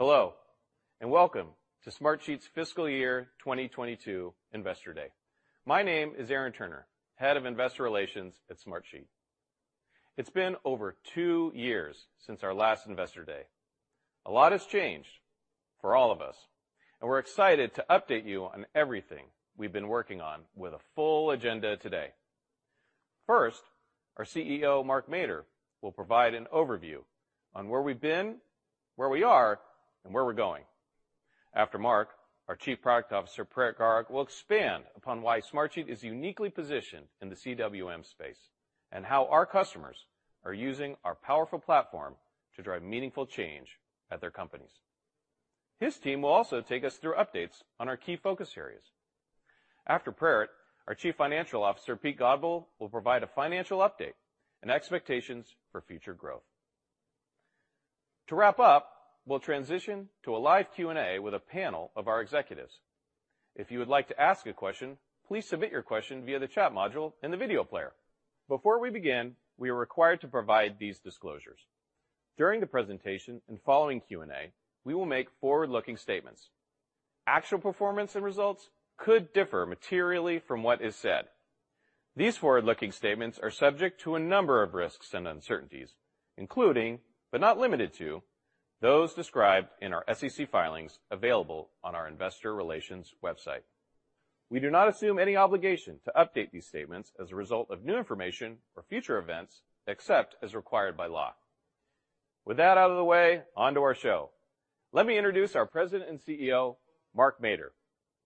Hello, and welcome to Smartsheet's fiscal year 2022 Investor Day. My name is Aaron Turner, Head of Investor Relations at Smartsheet. It's been over two years since our last Investor Day. A lot has changed for all of us, and we're excited to update you on everything we've been working on with a full agenda today. First, our CEO, Mark Mader, will provide an overview on where we've been, where we are, and where we're going. After Mark, our Chief Product Officer, Praerit Garg, will expand upon why Smartsheet is uniquely positioned in the CWM space, and how our customers are using our powerful platform to drive meaningful change at their companies. His team will also take us through updates on our key focus areas. After Praerit, our Chief Financial Officer, Pete Godbole, will provide a financial update and expectations for future growth. To wrap up, we'll transition to a live Q&A with a panel of our executives. If you would like to ask a question, please submit your question via the chat module in the video player. Before we begin, we are required to provide these disclosures. During the presentation and following Q&A, we will make forward-looking statements. Actual performance and results could differ materially from what is said. These forward-looking statements are subject to a number of risks and uncertainties, including, but not limited to, those described in our SEC filings available on our investor relations website. We do not assume any obligation to update these statements as a result of new information or future events, except as required by law. With that out of the way, on to our show. Let me introduce our President and CEO, Mark Mader.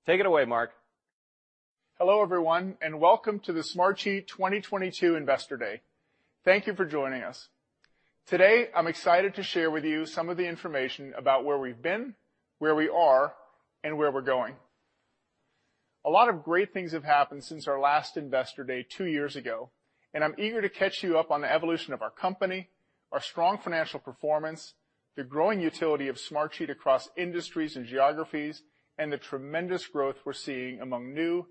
Take it away, Mark. Hello, everyone, and welcome to the Smartsheet 2022 Investor Day. Thank you for joining us. Today, I'm excited to share with you some of the information about where we've been, where we are, and where we're going. A lot of great things have happened since our last Investor Day two years ago, and I'm eager to catch you up on the evolution of our company, our strong financial performance, the growing utility of Smartsheet across industries and geographies, and the tremendous growth we're seeing among new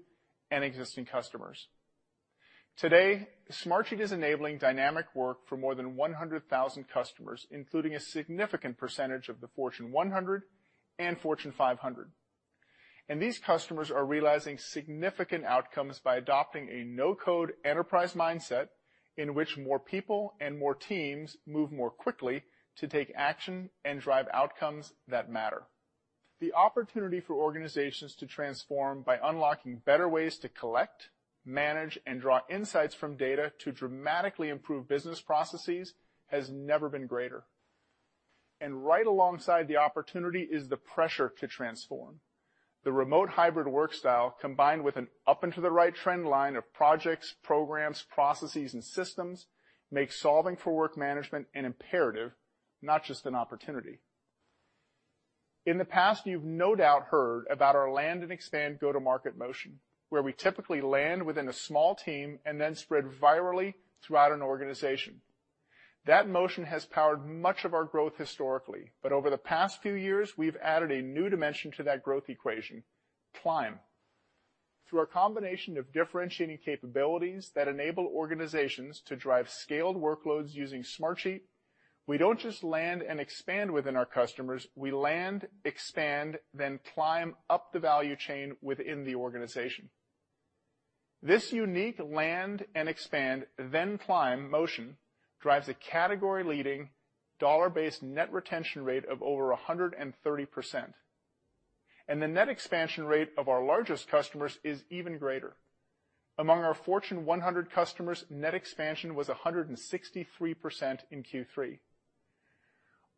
and existing customers. Today, Smartsheet is enabling dynamic work for more than 100,000 customers, including a significant percentage of the Fortune 100 and Fortune 500. These customers are realizing significant outcomes by adopting a no-code enterprise mindset in which more people and more teams move more quickly to take action and drive outcomes that matter. The opportunity for organizations to transform by unlocking better ways to collect, manage, and draw insights from data to dramatically improve business processes has never been greater. Right alongside the opportunity is the pressure to transform. The remote hybrid work style, combined with an up-and-to-the-right trend line of projects, programs, processes, and systems, makes solving for work management an imperative, not just an opportunity. In the past, you've no doubt heard about our land-and-expand go-to-market motion, where we typically land within a small team and then spread virally throughout an organization. That motion has powered much of our growth historically, but over the past few years, we've added a new dimension to that growth equation, climb. Through our combination of differentiating capabilities that enable organizations to drive scaled workloads using Smartsheet, we don't just land and expand within our customers, we land, expand, then climb up the value chain within the organization. This unique land-and-expand, then-climb motion drives a category-leading dollar-based net retention rate of over 130%, and the net expansion rate of our largest customers is even greater. Among our Fortune 100 customers, net expansion was 163% in Q3.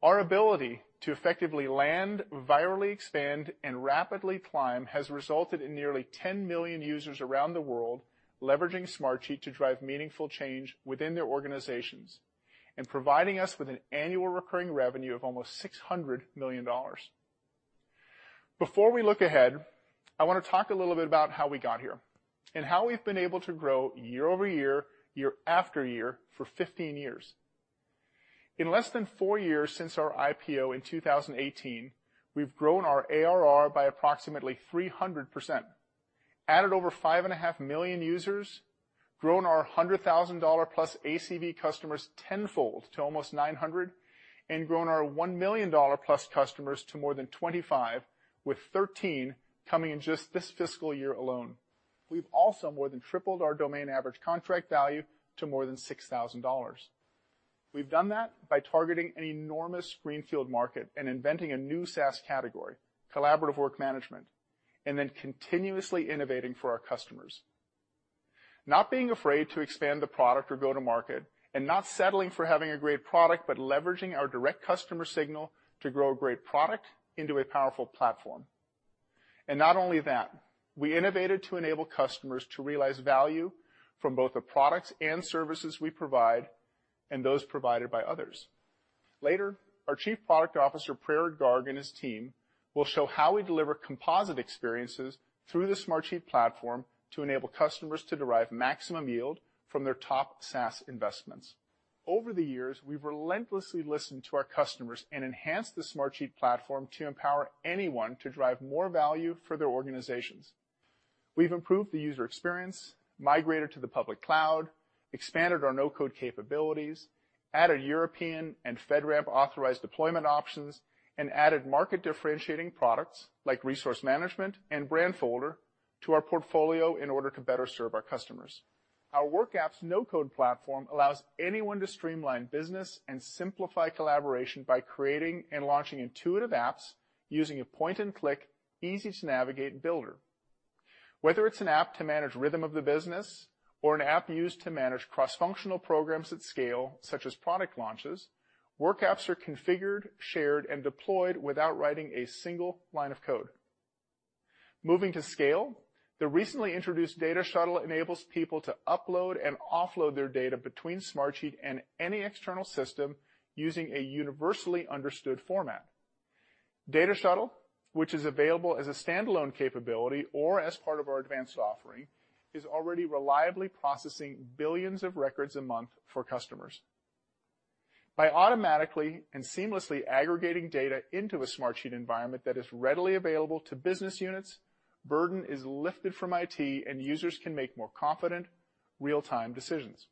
Our ability to effectively land, virally expand, and rapidly climb has resulted in nearly 10 million users around the world leveraging Smartsheet to drive meaningful change within their organizations and providing us with an annual recurring revenue of almost $600 million. Before we look ahead, I want to talk a little bit about how we got here and how we've been able to grow year-over-year, year after year for 15 years. In less than 4 years since our IPO in 2018, we've grown our ARR by approximately 300%, added over 5.5 million users, grown our $100,000+ ACV customers tenfold to almost 900, and grown our $1 million+ customers to more than 25, with 13 coming in just this fiscal year alone. We've also more than tripled our median average contract value to more than $6,000. We've done that by targeting an enormous greenfield market and inventing a new SaaS category, collaborative work management, and then continuously innovating for our customers, not being afraid to expand the product or go to market, and not settling for having a great product, but leveraging our direct customer signal to grow a great product into a powerful platform. Not only that, we innovated to enable customers to realize value from both the products and services we provide and those provided by others. Later, our Chief Product Officer, Praerit Garg, and his team will show how we deliver composite experiences through the Smartsheet platform to enable customers to derive maximum yield from their top SaaS investments. Over the years, we've relentlessly listened to our customers and enhanced the Smartsheet platform to empower anyone to drive more value for their organizations. We've improved the user experience, migrated to the public cloud, expanded our no-code capabilities, added European and FedRAMP-authorized deployment options, and added market-differentiating products, like Resource Management and Brandfolder, to our portfolio in order to better serve our customers. Our WorkApps no-code platform allows anyone to streamline business and simplify collaboration by creating and launching intuitive apps using a point-and-click, easy-to-navigate builder. Whether it's an app to manage rhythm of the business or an app used to manage cross-functional programs at scale, such as product launches, WorkApps are configured, shared, and deployed without writing a single line of code. Moving to scale, the recently introduced Data Shuttle enables people to upload and offload their data between Smartsheet and any external system using a universally understood format. Data Shuttle, which is available as a standalone capability or as part of our advanced offering, is already reliably processing billions of records a month for customers. By automatically and seamlessly aggregating data into a Smartsheet environment that is readily available to business units, burden is lifted from IT, and users can make more confident real-time decisions.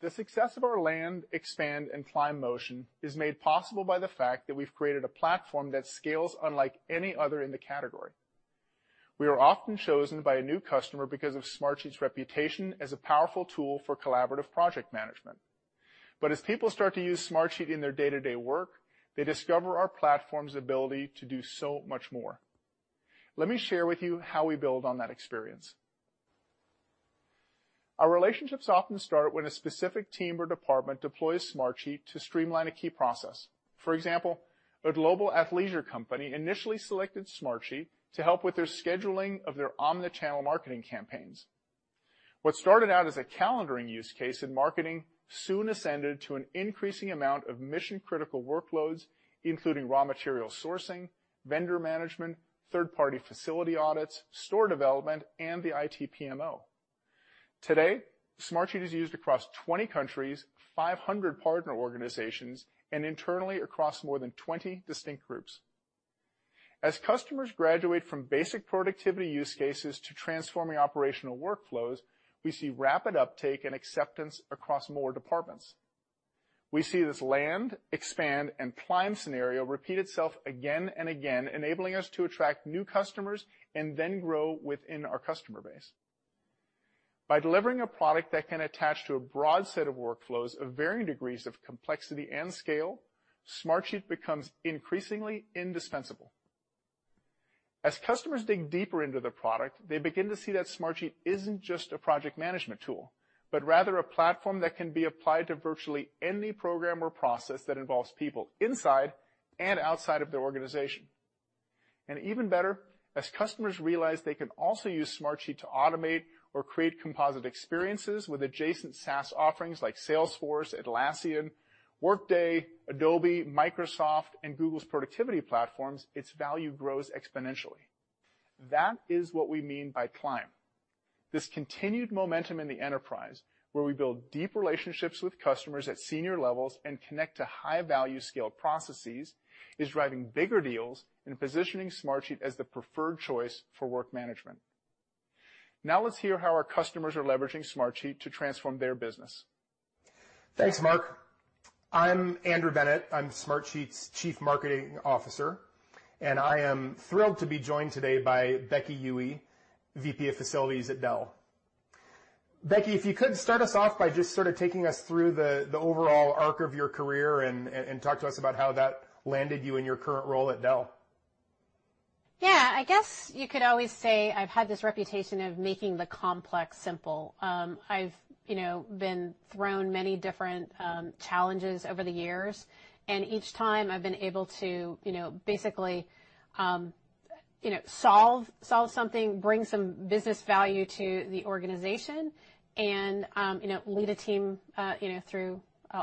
The success of our land, expand, and climb motion is made possible by the fact that we've created a platform that scales unlike any other in the category. We are often chosen by a new customer because of Smartsheet's reputation as a powerful tool for collaborative project management. As people start to use Smartsheet in their day-to-day work, they discover our platform's ability to do so much more. Let me share with you how we build on that experience. Our relationships often start when a specific team or department deploys Smartsheet to streamline a key process. For example, a global athleisure company initially selected Smartsheet to help with their scheduling of their omni-channel marketing campaigns. What started out as a calendaring use case in marketing soon ascended to an increasing amount of mission-critical workloads, including raw material sourcing, vendor management, third-party facility audits, store development, and the IT PMO. Today, Smartsheet is used across 20 countries, 500 partner organizations, and internally across more than 20 distinct groups. As customers graduate from basic productivity use cases to transforming operational workflows, we see rapid uptake and acceptance across more departments. We see this land, expand, and climb scenario repeat itself again and again, enabling us to attract new customers and then grow within our customer base. By delivering a product that can attach to a broad set of workflows of varying degrees of complexity and scale, Smartsheet becomes increasingly indispensable. As customers dig deeper into the product, they begin to see that Smartsheet isn't just a project management tool, but rather a platform that can be applied to virtually any program or process that involves people inside and outside of their organization. Even better, as customers realize they can also use Smartsheet to automate or create composite experiences with adjacent SaaS offerings like Salesforce, Atlassian, Workday, Adobe, Microsoft, and Google's productivity platforms, its value grows exponentially. That is what we mean by climb. This continued momentum in the enterprise, where we build deep relationships with customers at senior levels and connect to high-value scaled processes, is driving bigger deals and positioning Smartsheet as the preferred choice for work management. Now let's hear how our customers are leveraging Smartsheet to transform their business. Thanks, Mark. I'm Andrew Bennett, Smartsheet's Chief Marketing Officer, and I am thrilled to be joined today by Becky Huwe, VP of Facilities at Dell. Becky, if you could start us off by just sort of taking us through the overall arc of your career and talk to us about how that landed you in your current role at Dell. Yeah. I guess you could always say I've had this reputation of making the complex simple. I've you know been thrown many different challenges over the years, and each time I've been able to you know basically you know solve something, bring some business value to the organization and you know lead a team you know through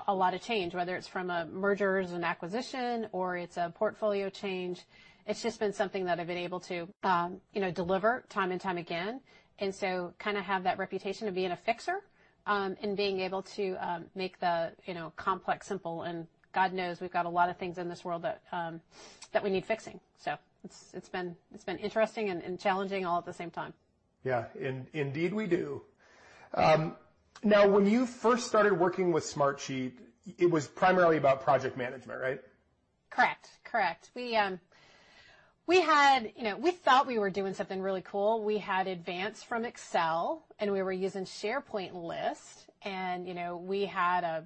a lot of change, whether it's from a mergers and acquisition or it's a portfolio change. It's just been something that I've been able to you know deliver time and time again. Kind of have that reputation of being a fixer and being able to you know make the complex simple. God knows we've got a lot of things in this world that we need fixing. It's been interesting and challenging all at the same time. Yeah. Indeed we do. Now, when you first started working with Smartsheet, it was primarily about project management, right? Correct. We had advanced from Excel, and we were using SharePoint list. You know, we had a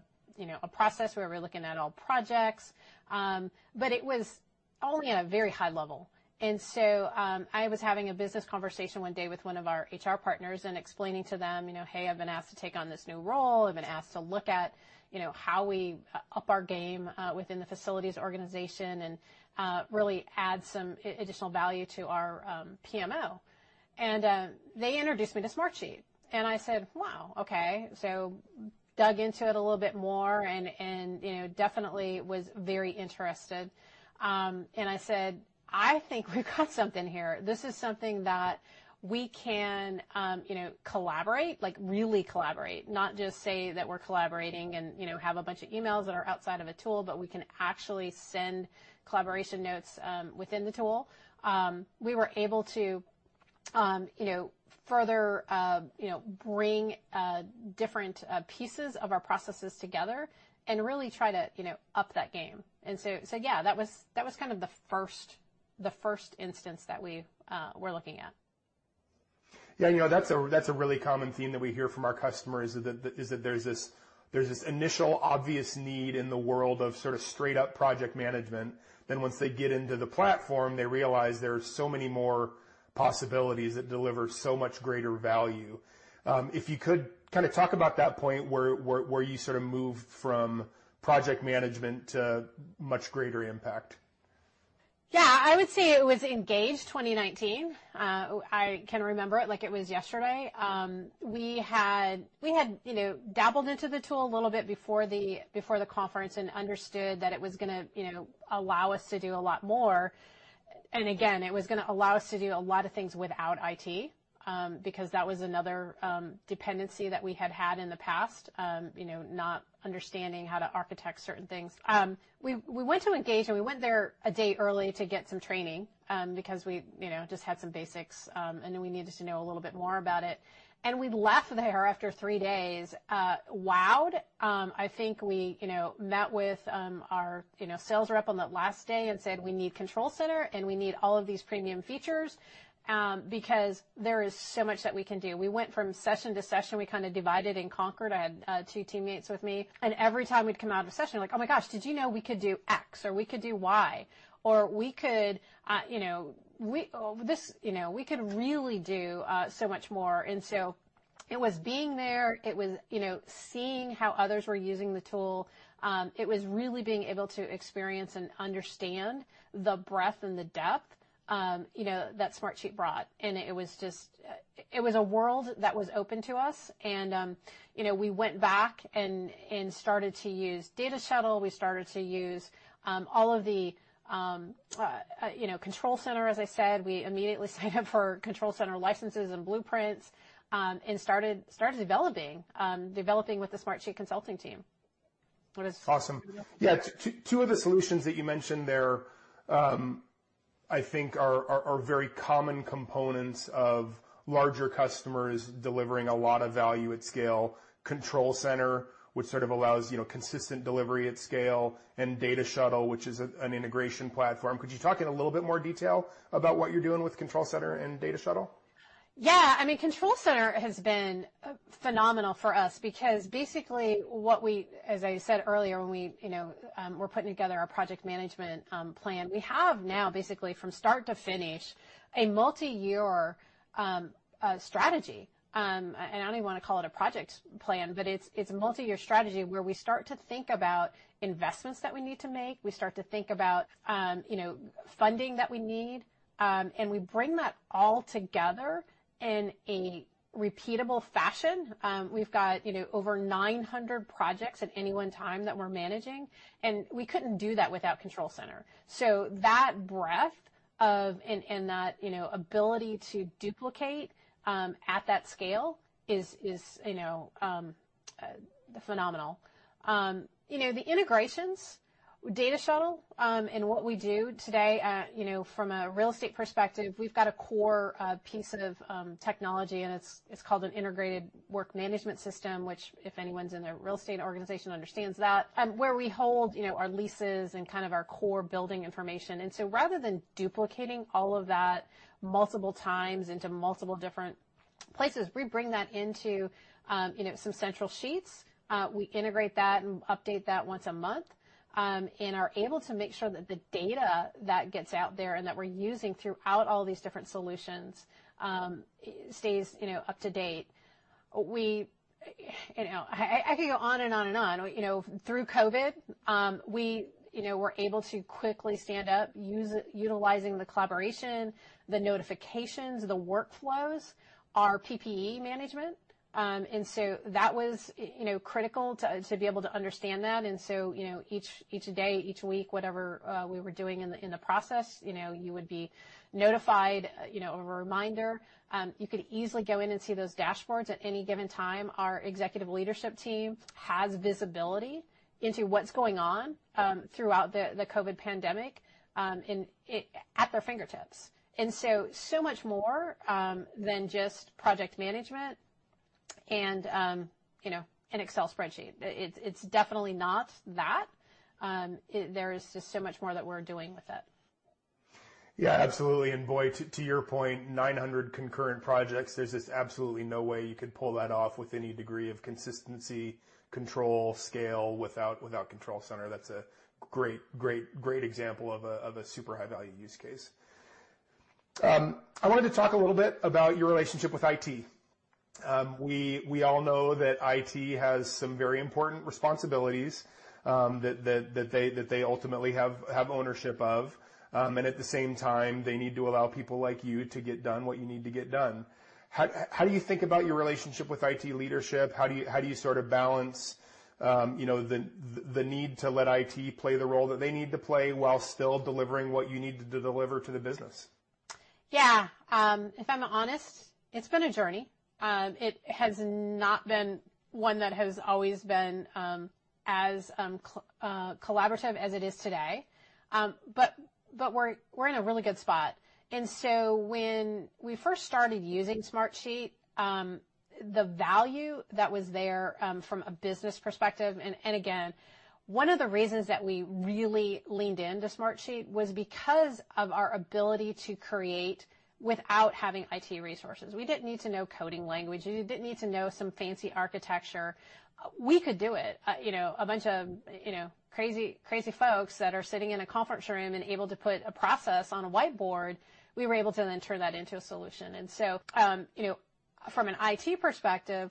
process where we were looking at all projects, but it was only at a very high level. I was having a business conversation one day with one of our HR partners and explaining to them, you know, Hey, I've been asked to take on this new role. I've been asked to look at, you know, how we up our game within the facilities organization and really add some additional value to our PMO. They introduced me to Smartsheet, and I said, Wow, okay. I dug into it a little bit more and, you know, definitely was very interested. I said, I think we've got something here. This is something that we can you know collaborate, like really collaborate, not just say that we're collaborating and you know have a bunch of emails that are outside of a tool, but we can actually send collaboration notes within the tool. We were able to you know further you know bring different pieces of our processes together and really try to you know up that game. So yeah, that was kind of the first instance that we were looking at. Yeah, you know, that's a really common theme that we hear from our customers is that there's this initial obvious need in the world of sort of straight up project management. Once they get into the platform, they realize there are so many more possibilities that deliver so much greater value. If you could kinda talk about that point where you sort of moved from project management to much greater impact. Yeah. I would say it was ENGAGE '19. I can remember it like it was yesterday. We had you know dabbled into the tool a little bit before the conference and understood that it was gonna you know allow us to do a lot more. Again, it was gonna allow us to do a lot of things without IT because that was another dependency that we had had in the past you know not understanding how to architect certain things. We went to ENGAGE and we went there a day early to get some training because we you know just had some basics and then we needed to know a little bit more about it. We left there after three days wowed. I think we, you know, met with our, you know, sales rep on that last day and said, "We need Control Center, and we need all of these premium features, because there is so much that we can do." We went from session to session. We kind o divided and conquered. I had two teammates with me, and every time we'd come out of a session, like, Oh my gosh, did you know we could do X or we could do Y or we could, you know, This, you know, we could really do so much more. It was being there. It was, you know, seeing how others were using the tool. It was really being able to experience and understand the breadth and the depth, you know, that Smartsheet brought. It was just. It was a world that was open to us and, you know, we went back and started to use Data Shuttle. We started to use all of the, you know, Control Center, as I said. We immediately signed up for Control Center licenses and blueprints and started developing with the Smartsheet consulting team. Awesome. Yeah. Two of the solutions that you mentioned there, I think are very common components of larger customers delivering a lot of value at scale. Control Center, which sort of allows, you know, consistent delivery at scale, and Data Shuttle, which is an integration platform. Could you talk in a little bit more detail about what you're doing with Control Center and Data Shuttle? Yeah. I mean, Control Center has been phenomenal for us because basically, as I said earlier, when we, you know, were putting together our project management plan, we have now basically from start to finish a multi-year strategy. I don't even wanna call it a project plan, but it's a multi-year strategy where we start to think about investments that we need to make. We start to think about, you know, funding that we need. We bring that all together in a repeatable fashion. We've got, you know, over 900 projects at any one time that we're managing, and we couldn't do that without Control Center. That breadth and that, you know, ability to duplicate at that scale is, you know, phenomenal. You know, the integrations, Data Shuttle, and what we do today, you know, from a real estate perspective, we've got a core piece of technology, and it's called an integrated work management system which if anyone's in a real estate organization understands that, where we hold, you know, our leases and kind of our core building information. Rather than duplicating all of that multiple times into multiple different places, we bring that into, you know, some central sheets. We integrate that and update that once a month, and are able to make sure that the data that gets out there and that we're using throughout all these different solutions, stays, you know, up to date. I could go on and on and on. You know, through COVID, we were able to quickly stand up utilizing the collaboration, the notifications, the workflows, our PPE management. That was critical to be able to understand that. You know, each day, each week, whatever we were doing in the process, you know, you would be notified a reminder. You could easily go in and see those dashboards at any given time. Our executive leadership team has visibility into what's going on throughout the COVID pandemic and at their fingertips. So much more than just project management and, you know, an Excel spreadsheet. It's definitely not that. There is just so much more that we're doing with it. Yeah, absolutely. Boy, to your point, 900 concurrent projects, there's just absolutely no way you could pull that off with any degree of consistency, control, scale without Control Center. That's a great example of a super high-value use case. I wanted to talk a little bit about your relationship with IT. We all know that IT has some very important responsibilities that they ultimately have ownership of. At the same time, they need to allow people like you to get done what you need to get done. How do you think about your relationship with IT leadership? How do you sort of balance, you know, the need to let IT play the role that they need to play while still delivering what you need to deliver to the business? Yeah. If I'm honest, it's been a journey. It has not been one that has always been as collaborative as it is today. But we're in a really good spot. When we first started using Smartsheet, the value that was there from a business perspective. Again, one of the reasons that we really leaned into Smartsheet was because of our ability to create without having IT resources. We didn't need to know coding language. We didn't need to know some fancy architecture. We could do it. You know, a bunch of you know crazy folks that are sitting in a conference room and able to put a process on a whiteboard, we were able to then turn that into a solution. You know, from an IT perspective,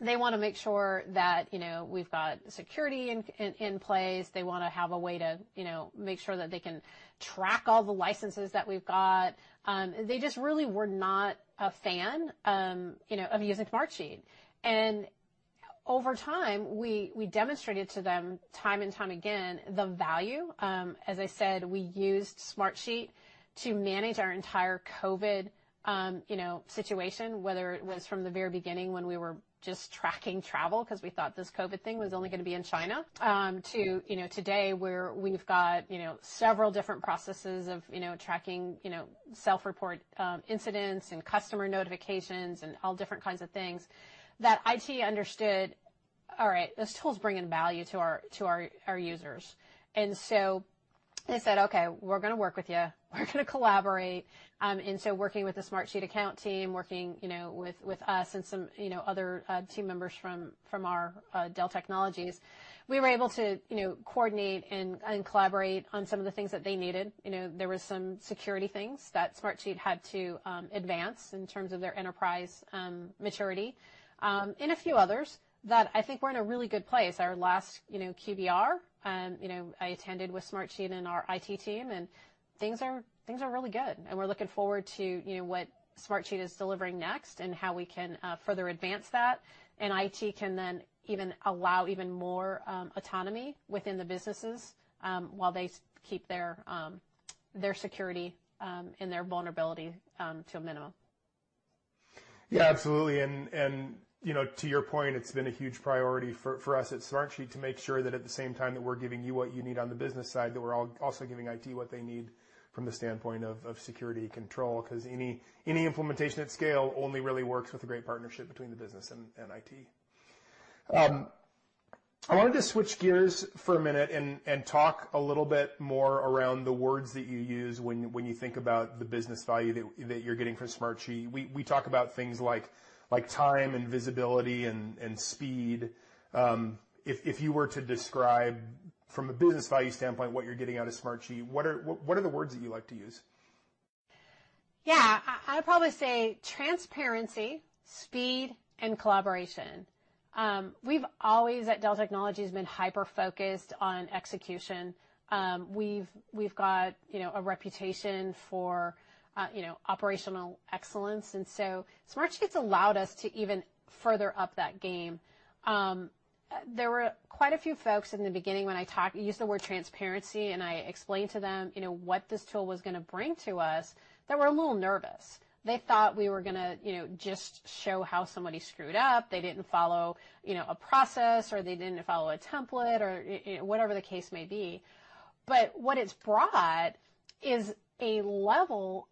they wanna make sure that, you know, we've got security in place. They wanna have a way to, you know, make sure that they can track all the licenses that we've got. They just really were not a fan, you know, of using Smartsheet. Over time, we demonstrated to them time and time again the value. As I said, we used Smartsheet to manage our entire COVID situation, whether it was from the very beginning when we were just tracking travel 'cause we thought this COVID thing was only gonna be in China to today, where we've got several different processes of tracking self-report incidents and customer notifications and all different kinds of things, that IT understood, all right, this tool's bringing value to our users. They said, "Okay, we're gonna work with you. We're gonna collaborate." Working with the Smartsheet account team, with us and some other team members from our Dell Technologies, we were able to coordinate and collaborate on some of the things that they needed. You know, there were some security things that Smartsheet had to advance in terms of their enterprise maturity, and a few others, that I think we're in a really good place. Our last, you know, QBR, you know, I attended with Smartsheet and our IT team, and things are really good. We're looking forward to, you know, what Smartsheet is delivering next and how we can further advance that. IT can then even allow even more autonomy within the businesses while they keep their security and their vulnerability to a minimum. Yeah, absolutely. You know, to your point, it's been a huge priority for us at Smartsheet to make sure that at the same time that we're giving you what you need on the business side, that we're also giving IT what they need from the standpoint of security control 'cause any implementation at scale only really works with a great partnership between the business and IT. I wanted to switch gears for a minute and talk a little bit more around the words that you use when you think about the business value that you're getting from Smartsheet. We talk about things like time and visibility and speed. If you were to describe from a business value standpoint what you're getting out of Smartsheet, what are the words that you like to use? Yeah. I'd probably say transparency, speed, and collaboration. We've always, at Dell Technologies, been hyper-focused on execution. We've got, you know, a reputation for, you know, operational excellence, and so Smartsheet's allowed us to even further up our game. There were quite a few folks in the beginning when I used the word transparency, and I explained to them, you know, what this tool was gonna bring to us. They were a little nervous. They thought we were gonna, you know, just show how somebody screwed up. They didn't follow, you know, a process, or they didn't follow a template or, you know, whatever the case may be. What it's brought is a level.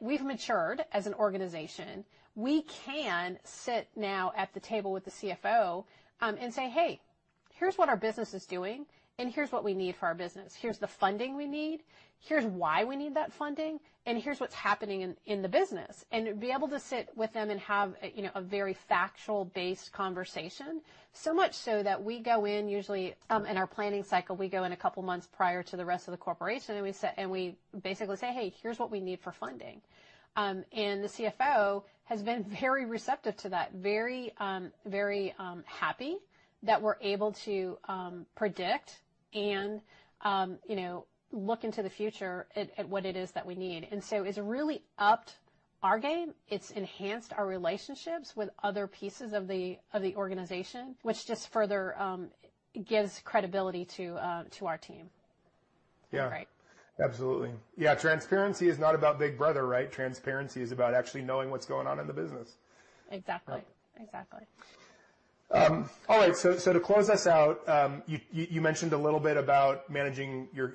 We've matured as an organization. We can sit now at the table with the CFO and say, Hey, here's what our business is doing, and here's what we need for our business. Here's the funding we need, here's why we need that funding, and here's what's happening in the business. To be able to sit with them and have a you know a very fact-based conversation, so much so that we go in usually in our planning cycle, we go in a couple months prior to the rest of the corporation, and we basically say, Hey, here's what we need for funding. The CFO has been very receptive to that, very happy that we're able to predict and you know look into the future at what it is that we need. It's really upped our game. It's enhanced our relationships with other pieces of the organization, which just further gives credibility to our team. Yeah. Right? Absolutely. Yeah, transparency is not about Big Brother, right? Transparency is about actually knowing what's going on in the business. Exactly. Yeah. Exactly. All right. To close us out, you mentioned a little bit about managing your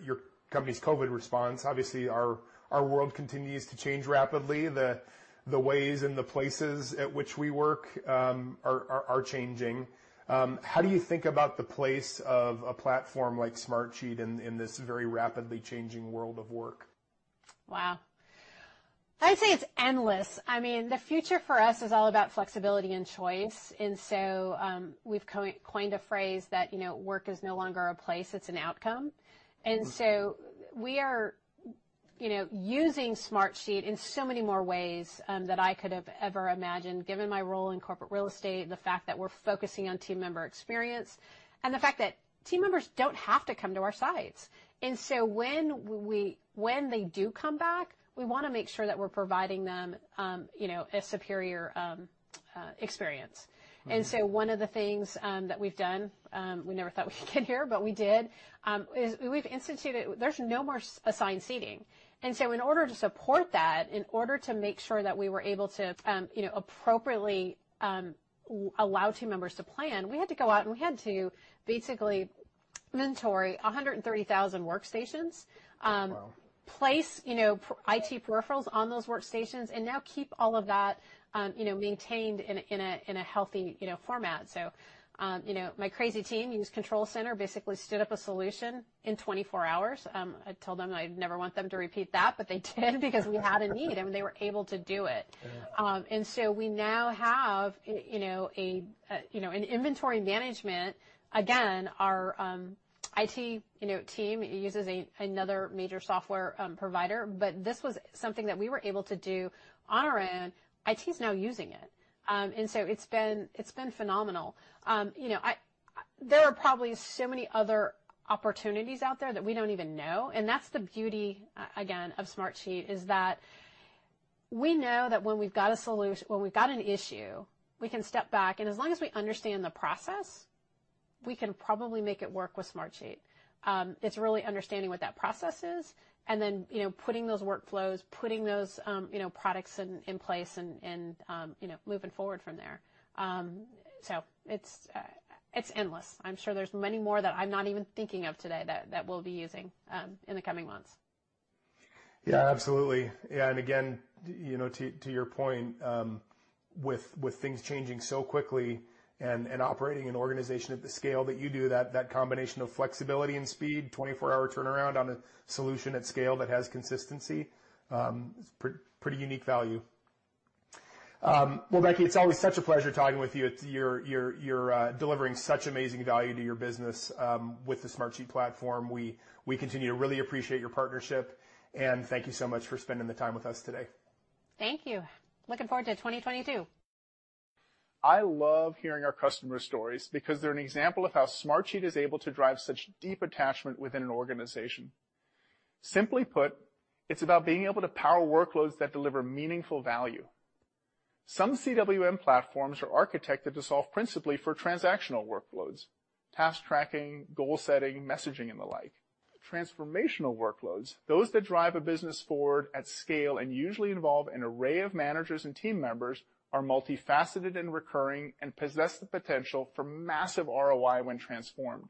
company's COVID response. Obviously, our world continues to change rapidly. The ways and the places at which we work are changing. How do you think about the place of a platform like Smartsheet in this very rapidly changing world of work? Wow. I'd say it's endless. I mean, the future for us is all about flexibility and choice. We've coined a phrase that, you know, work is no longer a place, it's an outcome. Mm-hmm. We are, you know, using Smartsheet in so many more ways that I could have ever imagined given my role in corporate real estate and the fact that we're focusing on team member experience and the fact that team members don't have to come to our sites. When they do come back, we wanna make sure that we're providing them, you know, a superior experience. Mm-hmm. One of the things that we've done, we never thought we'd get here but we did, is we've instituted there's no more assigned seating. In order to support that, in order to make sure that we were able to, you know, appropriately allow team members to plan, we had to go out, and we had to basically inventory 130,000 workstations. Oh, wow. Place, you know, put IT peripherals on those workstations and now keep all of that, you know, maintained in a healthy, you know, format. You know, my crazy team used Control Center, basically stood up a solution in 24 hours. I told them that I'd never want them to repeat that, but they did because we had a need, and they were able to do it. Yeah. We now have you know, an inventory management. Again, our IT you know, team uses another major software provider, but this was something that we were able to do on our own. IT is now using it. It's been phenomenal. You know, there are probably so many other opportunities out there that we don't even know, and that's the beauty again of Smartsheet, is that we know that when we've got an issue, we can step back, and as long as we understand the process, we can probably make it work with Smartsheet. It's really understanding what that process is and then you know, putting those workflows, putting those products in place and moving forward from there. It's endless. I'm sure there's many more that I'm not even thinking of today that we'll be using in the coming months. Yeah, absolutely. Yeah, again, you know, to your point, with things changing so quickly and operating an organization at the scale that you do, that combination of flexibility and speed, 24-hour turnaround on a solution at scale that has consistency, is pretty unique value. Well, Becky, it's always such a pleasure talking with you. You're delivering such amazing value to your business with the Smartsheet platform. We continue to really appreciate your partnership, and thank you so much for spending the time with us today. Thank you. Looking forward to 2022. I love hearing our customer stories because they're an example of how Smartsheet is able to drive such deep attachment within an organization. Simply put, it's about being able to power workloads that deliver meaningful value. Some CWM platforms are architected to solve principally for transactional workloads, task tracking, goal setting, messaging, and the like. Transformational workloads, those that drive a business forward at scale and usually involve an array of managers and team members, are multifaceted and recurring and possess the potential for massive ROI when transformed,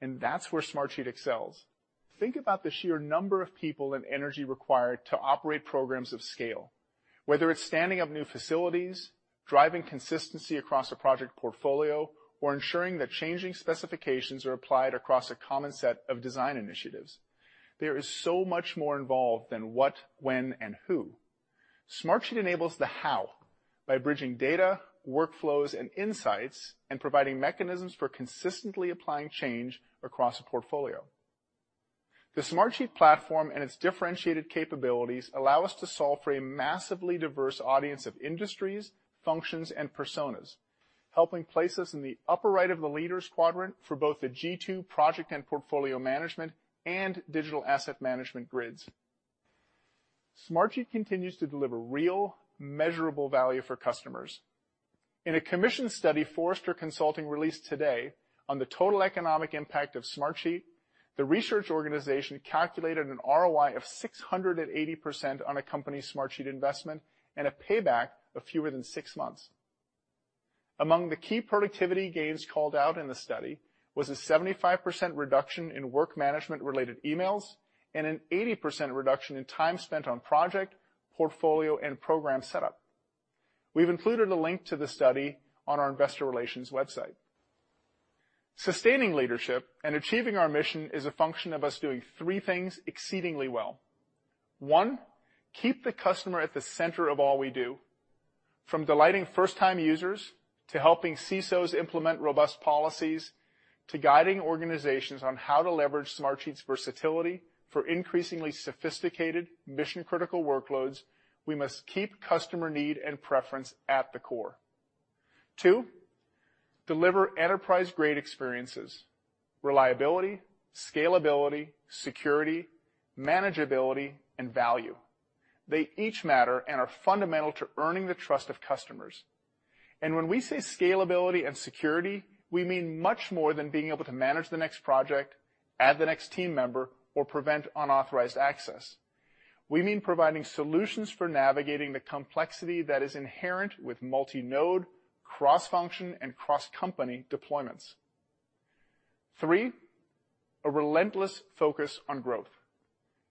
and that's where Smartsheet excels. Think about the sheer number of people and energy required to operate programs of scale. Whether it's standing up new facilities, driving consistency across a project portfolio, or ensuring that changing specifications are applied across a common set of design initiatives, there is so much more involved than what, when, and who. Smartsheet enables the how by bridging data, workflows, and insights and providing mechanisms for consistently applying change across a portfolio. The Smartsheet platform and its differentiated capabilities allow us to solve for a massively diverse audience of industries, functions, and personas, helping place us in the upper right of the leaders quadrant for both the G2 project and portfolio management and digital asset management grids. Smartsheet continues to deliver real, measurable value for customers. In a commissioned study Forrester Consulting released today on the total economic impact of Smartsheet, the research organization calculated an ROI of 680% on a company's Smartsheet investment and a payback of fewer than 6 months. Among the key productivity gains called out in the study was a 75% reduction in work management-related emails and an 80% reduction in time spent on project, portfolio, and program setup. We've included a link to the study on our investor relations website. Sustaining leadership and achieving our mission is a function of us doing three things exceedingly well. One, keep the customer at the center of all we do. From delighting first-time users to helping CISOs implement robust policies to guiding organizations on how to leverage Smartsheet's versatility for increasingly sophisticated mission-critical workloads, we must keep customer need and preference at the core. Two, deliver enterprise-grade experiences, reliability, scalability, security, manageability, and value. They each matter and are fundamental to earning the trust of customers. When we say scalability and security, we mean much more than being able to manage the next project, add the next team member, or prevent unauthorized access. We mean providing solutions for navigating the complexity that is inherent with multi-node, cross-function, and cross-company deployments. Three, a relentless focus on growth.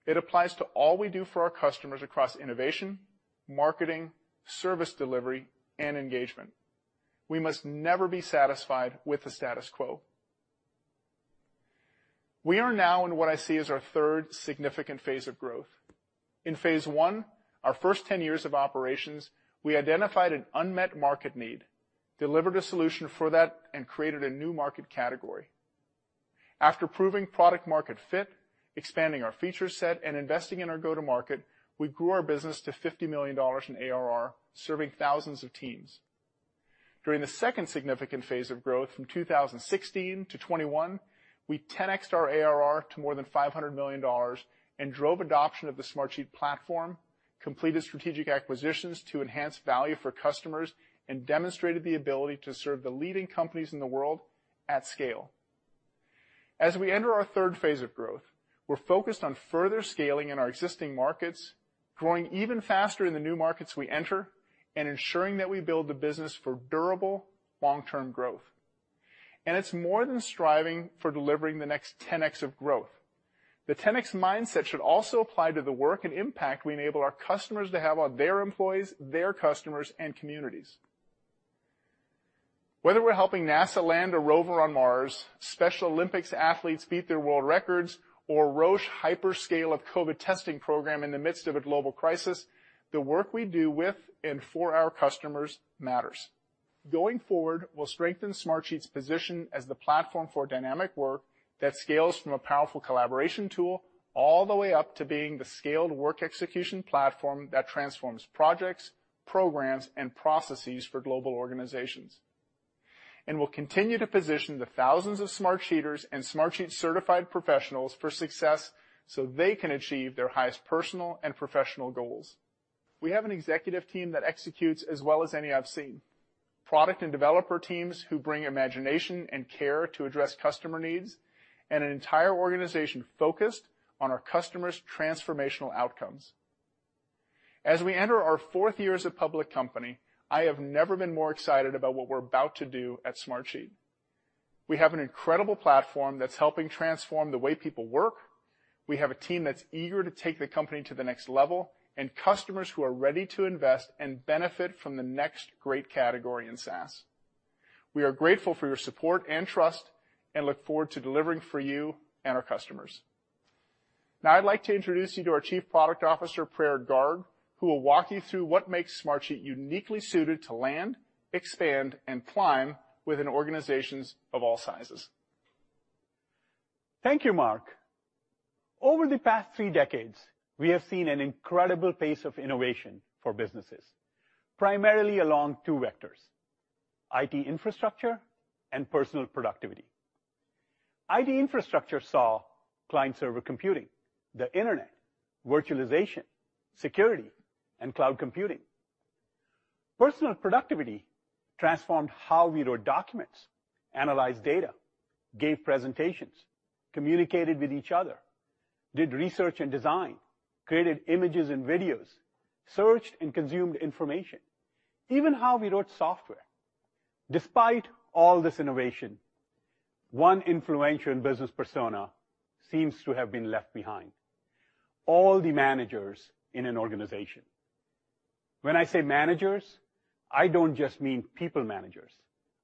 It applies to all we do for our customers across innovation, marketing, service delivery, and engagement. We must never be satisfied with the status quo. We are now in what I see as our third significant phase of growth. In phase one, our first 10 years of operations, we identified an unmet market need, delivered a solution for that, and created a new market category. After proving product market fit, expanding our feature set, and investing in our go-to-market, we grew our business to $50 million in ARR, serving thousands of teams. During the second significant phase of growth, from 2016 - 2021, we 10x'ed our ARR to more than $500 million and drove adoption of the Smartsheet platform, completed strategic acquisitions to enhance value for customers, and demonstrated the ability to serve the leading companies in the world at scale. As we enter our third phase of growth, we're focused on further scaling in our existing markets. Growing even faster in the new markets we enter and ensuring that we build the business for durable long-term growth. It's more than striving for delivering the next 10x of growth. The 10x mindset should also apply to the work and impact we enable our customers to have on their employees, their customers, and communities. Whether we're helping NASA land a rover on Mars, Special Olympics athletes beat their world records, or Roche hyperscale a COVID testing program in the midst of a global crisis, the work we do with and for our customers matters. Going forward, we'll strengthen Smartsheet's position as the platform for dynamic work that scales from a powerful collaboration tool all the way up to being the scaled work execution platform that transforms projects, programs, and processes for global organizations. We'll continue to position the thousands of Smartsheeters and Smartsheet certified professionals for success so they can achieve their highest personal and professional goals. We have an executive team that executes as well as any I've seen. Product and developer teams who bring imagination and care to address customer needs, and an entire organization focused on our customers' transformational outcomes. As we enter our fourth year as a public company, I have never been more excited about what we're about to do at Smartsheet. We have an incredible platform that's helping transform the way people work. We have a team that's eager to take the company to the next level, and customers who are ready to invest and benefit from the next great category in SaaS. We are grateful for your support and trust and look forward to delivering for you and our customers. Now I'd like to introduce you to our Chief Product Officer, Praerit Garg, who will walk you through what makes Smartsheet uniquely suited to land, expand, and climb within organizations of all sizes. Thank you, Mark. Over the past three decades, we have seen an incredible pace of innovation for businesses, primarily along two vectors, IT infrastructure and personal productivity. IT infrastructure saw client-server computing, the Internet, virtualization, security, and cloud computing. Personal productivity transformed how we wrote documents, analyzed data, gave presentations, communicated with each other, did research and design, created images and videos, searched and consumed information, even how we wrote software. Despite all this innovation, one influential business persona seems to have been left behind, all the managers in an organization. When I say managers, I don't just mean people managers.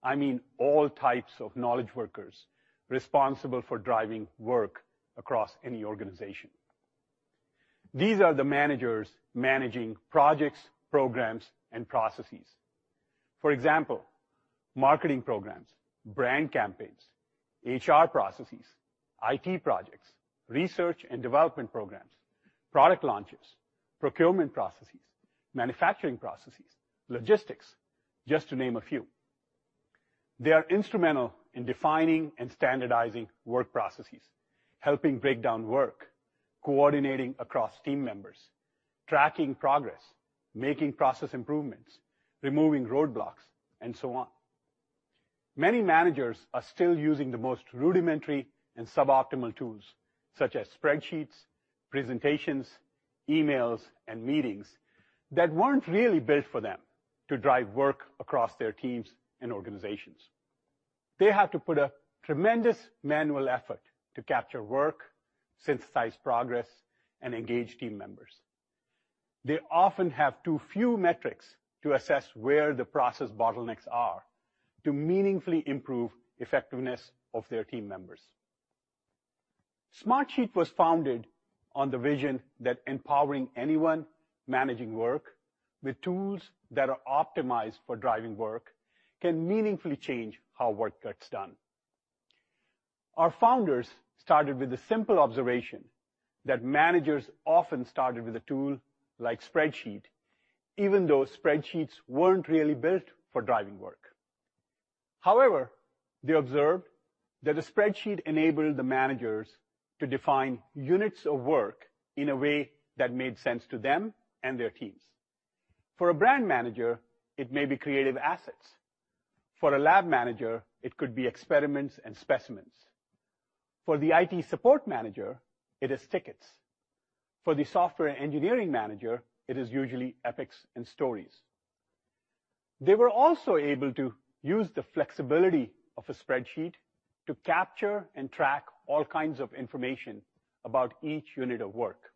I mean all types of knowledge workers responsible for driving work across any organization. These are the managers managing projects, programs, and processes. For example, marketing programs, brand campaigns, HR processes, IT projects, research and development programs, product launches, procurement processes, manufacturing processes, logistics, just to name a few. They are instrumental in defining and standardizing work processes, helping break down work, coordinating across team members, tracking progress, making process improvements, removing roadblocks, and so on. Many managers are still using the most rudimentary and suboptimal tools, such as spreadsheets, presentations, emails, and meetings, that weren't really built for them to drive work across their teams and organizations. They have to put a tremendous manual effort to capture work, synthesize progress, and engage team members. They often have too few metrics to assess where the process bottlenecks are to meaningfully improve effectiveness of their team members. Smartsheet was founded on the vision that empowering anyone managing work with tools that are optimized for driving work can meaningfully change how work gets done. Our founders started with the simple observation that managers often started with a tool like spreadsheet, even though spreadsheets weren't really built for driving work. However, they observed that a spreadsheet enabled the managers to define units of work in a way that made sense to them and their teams. For a brand manager, it may be creative assets. For a lab manager, it could be experiments and specimens. For the IT support manager, it is tickets. For the software engineering manager, it is usually epics and stories. They were also able to use the flexibility of a spreadsheet to capture and track all kinds of information about each unit of work,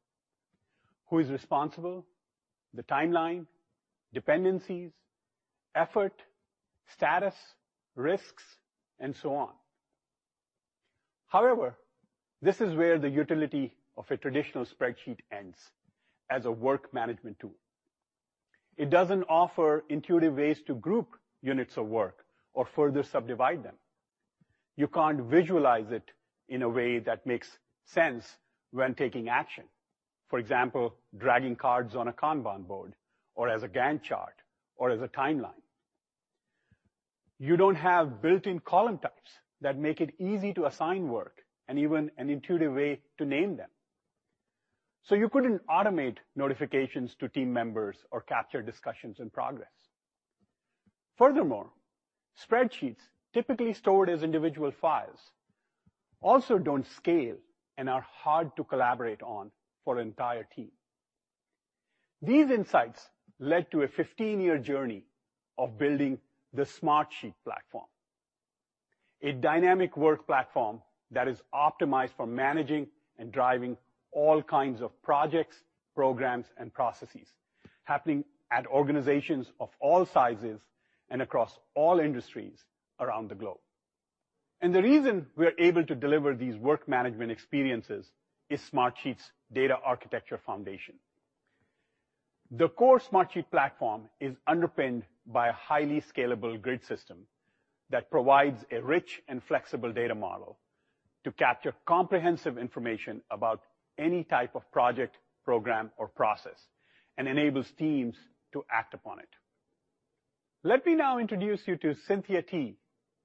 who is responsible, the timeline, dependencies, effort, status, risks, and so on. However, this is where the utility of a traditional spreadsheet ends as a work management tool. It doesn't offer intuitive ways to group units of work or further subdivide them. You can't visualize it in a way that makes sense when taking action. For example, dragging cards on a Kanban board or as a Gantt chart or as a timeline. You don't have built-in column types that make it easy to assign work and even an intuitive way to name them. So you couldn't automate notifications to team members or capture discussions and progress. Furthermore, spreadsheets typically stored as individual files also don't scale and are hard to collaborate on for an entire team. These insights led to a 15-year journey of building the Smartsheet platform, a dynamic work platform that is optimized for managing and driving all kinds of projects, programs, and processes happening at organizations of all sizes and across all industries around the globe. The reason we are able to deliver these work management experiences is Smartsheet's data architecture foundation. The core Smartsheet platform is underpinned by a highly scalable grid system that provides a rich and flexible data model to capture comprehensive information about any type of project, program, or process and enables teams to act upon it. Let me now introduce you to Cynthia Tee,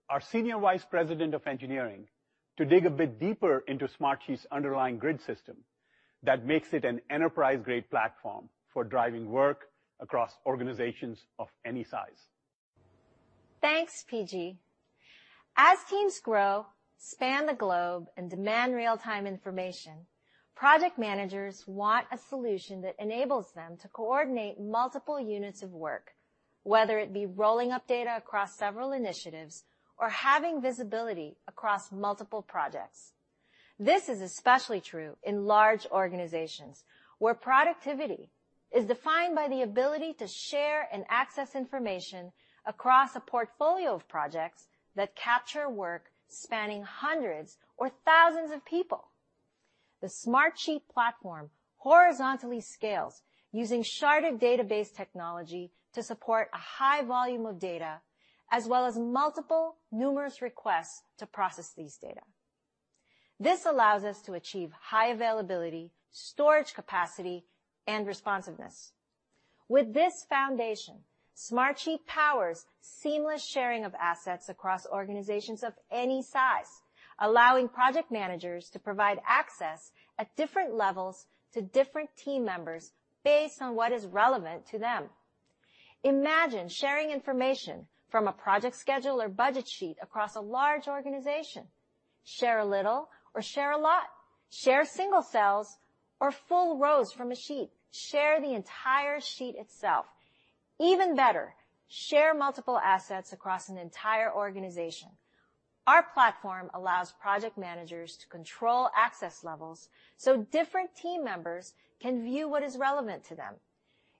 our Senior Vice President of Engineering, to dig a bit deeper into Smartsheet's underlying grid system that makes it an enterprise-grade platform for driving work across organizations of any size. Thanks, Praerit Garg. As teams grow, span the globe, and demand real-time information, project managers want a solution that enables them to coordinate multiple units of work, whether it be rolling up data across several initiatives or having visibility across multiple projects. This is especially true in large organizations where productivity is defined by the ability to share and access information across a portfolio of projects that capture work spanning hundreds or thousands of people. The Smartsheet platform horizontally scales using sharded database technology to support a high volume of data, as well as multiple numerous requests to process these data. This allows us to achieve high availability, storage capacity, and responsiveness. With this foundation, Smartsheet powers seamless sharing of assets across organizations of any size, allowing project managers to provide access at different levels to different team members based on what is relevant to them. Imagine sharing information from a project schedule or budget sheet across a large organization. Share a little or share a lot. Share single cells or full rows from a sheet. Share the entire sheet itself. Even better, share multiple assets across an entire organization. Our platform allows project managers to control access levels so different team members can view what is relevant to them.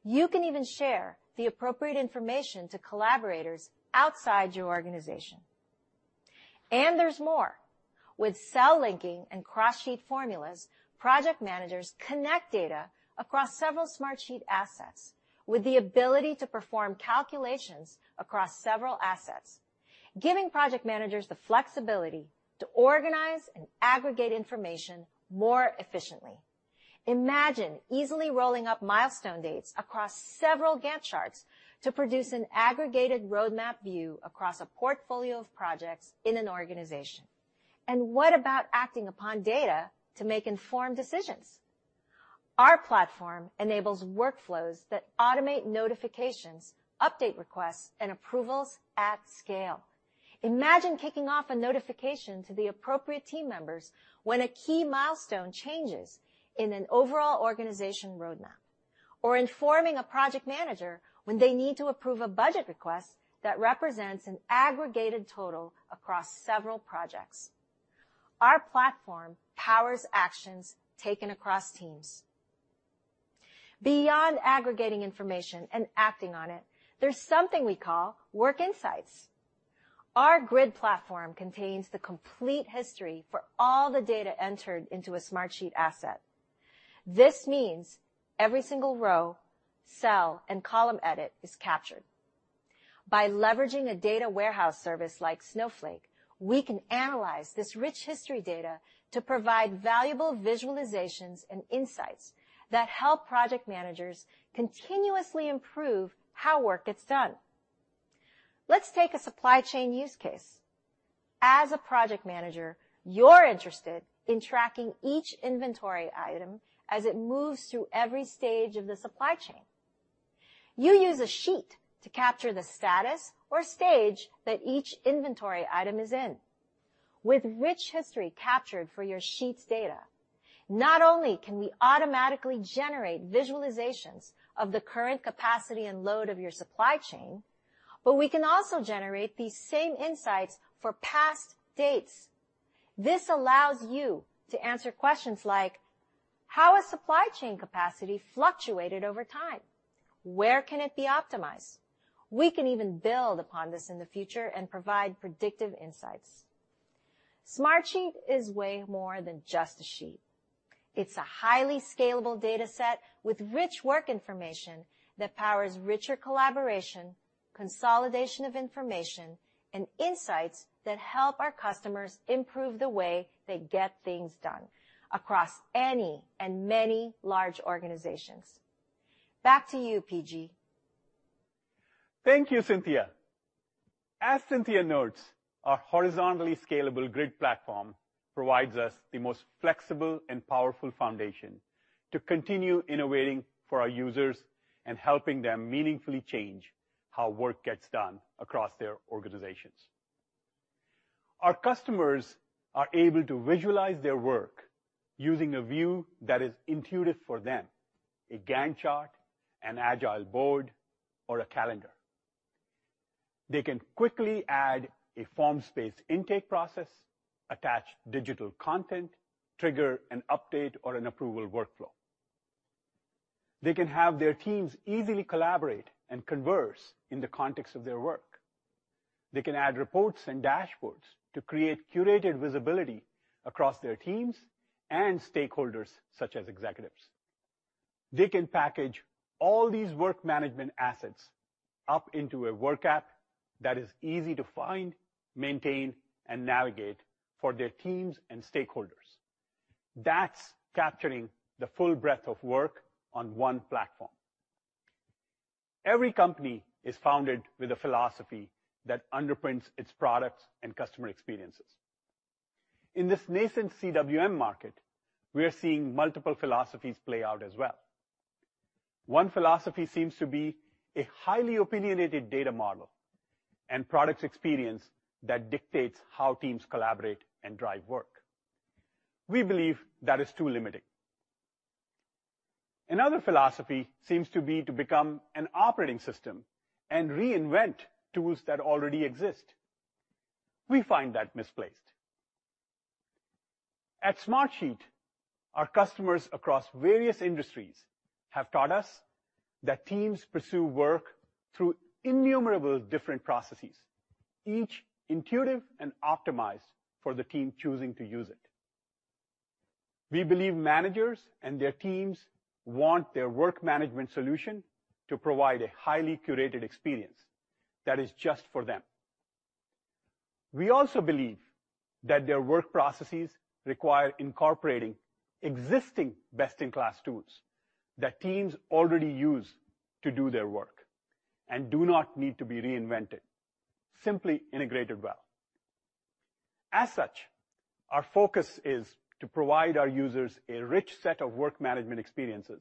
You can even share the appropriate information to collaborators outside your organization. There's more. With cell linking and cross-sheet formulas, project managers connect data across several Smartsheet assets with the ability to perform calculations across several assets, giving project managers the flexibility to organize and aggregate information more efficiently. Imagine easily rolling up milestone dates across several Gantt charts to produce an aggregated roadmap view across a portfolio of projects in an organization. What about acting upon data to make informed decisions? Our platform enables workflows that automate notifications, update requests, and approvals at scale. Imagine kicking off a notification to the appropriate team members when a key milestone changes in an overall organization roadmap, or informing a project manager when they need to approve a budget request that represents an aggregated total across several projects. Our platform powers actions taken across teams. Beyond aggregating information and acting on it, there's something we call Work Insights. Our grid platform contains the complete history for all the data entered into a Smartsheet asset. This means every single row, cell, and column edit is captured. By leveraging a data warehouse service like Snowflake, we can analyze this rich history data to provide valuable visualizations and insights that help project managers continuously improve how work gets done. Let's take a supply chain use case. As a project manager, you're interested in tracking each inventory item as it moves through every stage of the supply chain. You use a sheet to capture the status or stage that each inventory item is in. With rich history captured for your sheet's data, not only can we automatically generate visualizations of the current capacity and load of your supply chain, but we can also generate these same insights for past dates. This allows you to answer questions like, how has supply chain capacity fluctuated over time? Where can it be optimized? We can even build upon this in the future and provide predictive insights. Smartsheet is way more than just a sheet. It's a highly scalable dataset with rich work information that powers richer collaboration, consolidation of information, and insights that help our customers improve the way they get things done across any and many large organizations. Back to you, PG. Thank you, Cynthia. As Cynthia notes, our horizontally scalable grid platform provides us the most flexible and powerful foundation to continue innovating for our users and helping them meaningfully change how work gets done across their organizations. Our customers are able to visualize their work using a view that is intuitive for them, a Gantt chart, an agile board, or a calendar. They can quickly add a form space intake process, attach digital content, trigger an update or an approval workflow. They can have their teams easily collaborate and converse in the context of their work. They can add reports and dashboards to create curated visibility across their teams and stakeholders such as executives. They can package all these work management assets up into a WorkApps that is easy to find, maintain, and navigate for their teams and stakeholders. That's capturing the full breadth of work on one platform. Every company is founded with a philosophy that underpins its products and customer experiences. In this nascent CWM market, we are seeing multiple philosophies play out as well. One philosophy seems to be a highly opinionated data model and product experience that dictates how teams collaborate and drive work. We believe that is too limiting. Another philosophy seems to be to become an operating system and reinvent tools that already exist. We find that misplaced. At Smartsheet, our customers across various industries have taught us that teams pursue work through innumerable different processes, each intuitive and optimized for the team choosing to use it. We believe managers and their teams want their work management solution to provide a highly curated experience that is just for them. We also believe that their work processes require incorporating existing best-in-class tools that teams already use to do their work and do not need to be reinvented, simply integrated well. As such, our focus is to provide our users a rich set of work management experiences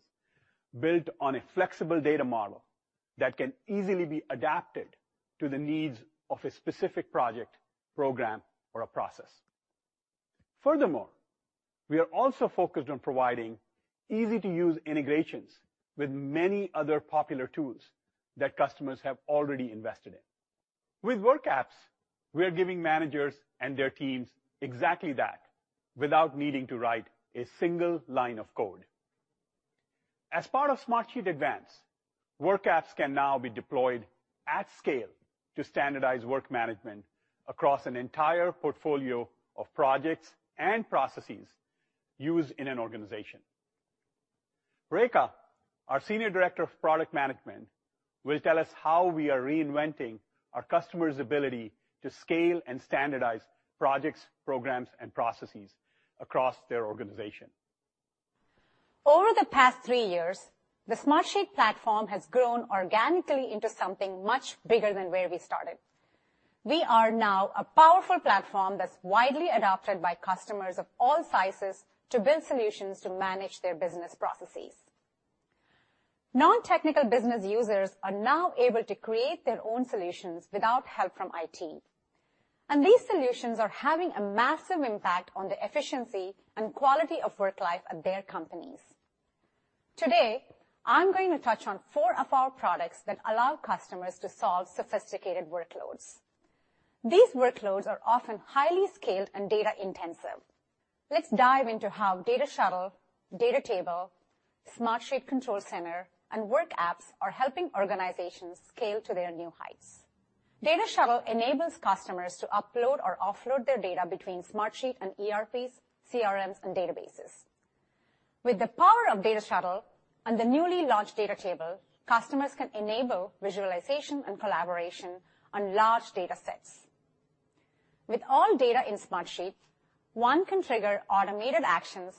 built on a flexible data model that can easily be adapted to the needs of a specific project, program, or a process. Furthermore, we are also focused on providing easy-to-use integrations with many other popular tools that customers have already invested in. With WorkApps, we are giving managers and their teams exactly that without needing to write a single line of code. As part of Smartsheet Advance, WorkApps can now be deployed at scale to standardize work management across an entire portfolio of projects and processes used in an organization. Rekha, our Senior Director of Product Management, will tell us how we are reinventing our customer's ability to scale and standardize projects, programs, and processes across their organization. Over the past three years, the Smartsheet platform has grown organically into something much bigger than where we started. We are now a powerful platform that's widely adopted by customers of all sizes to build solutions to manage their business processes. Non-technical business users are now able to create their own solutions without help from IT, and these solutions are having a massive impact on the efficiency and quality of work life at their companies. Today, I'm going to touch on four of our products that allow customers to solve sophisticated workloads. These workloads are often highly scaled and data-intensive. Let's dive into how Data Shuttle, DataTable, Smartsheet Control Center, and WorkApps are helping organizations scale to their new heights. Data Shuttle enables customers to upload or offload their data between Smartsheet and ERPs, CRMs, and databases. With the power of Data Shuttle and the newly launched DataTable, customers can enable visualization and collaboration on large data sets. With all data in Smartsheet, one can trigger automated actions,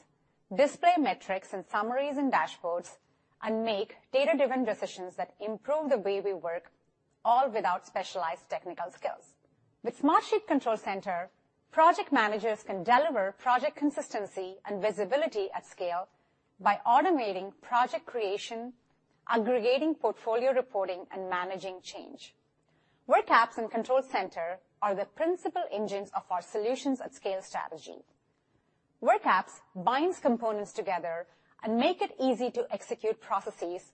display metrics and summaries and dashboards, and make data-driven decisions that improve the way we work, all without specialized technical skills. With Smartsheet Control Center, project managers can deliver project consistency and visibility at scale by automating project creation, aggregating portfolio reporting, and managing change. WorkApps and Control Center are the principal engines of our solutions at scale strategy. WorkApps binds components together and make it easy to execute processes,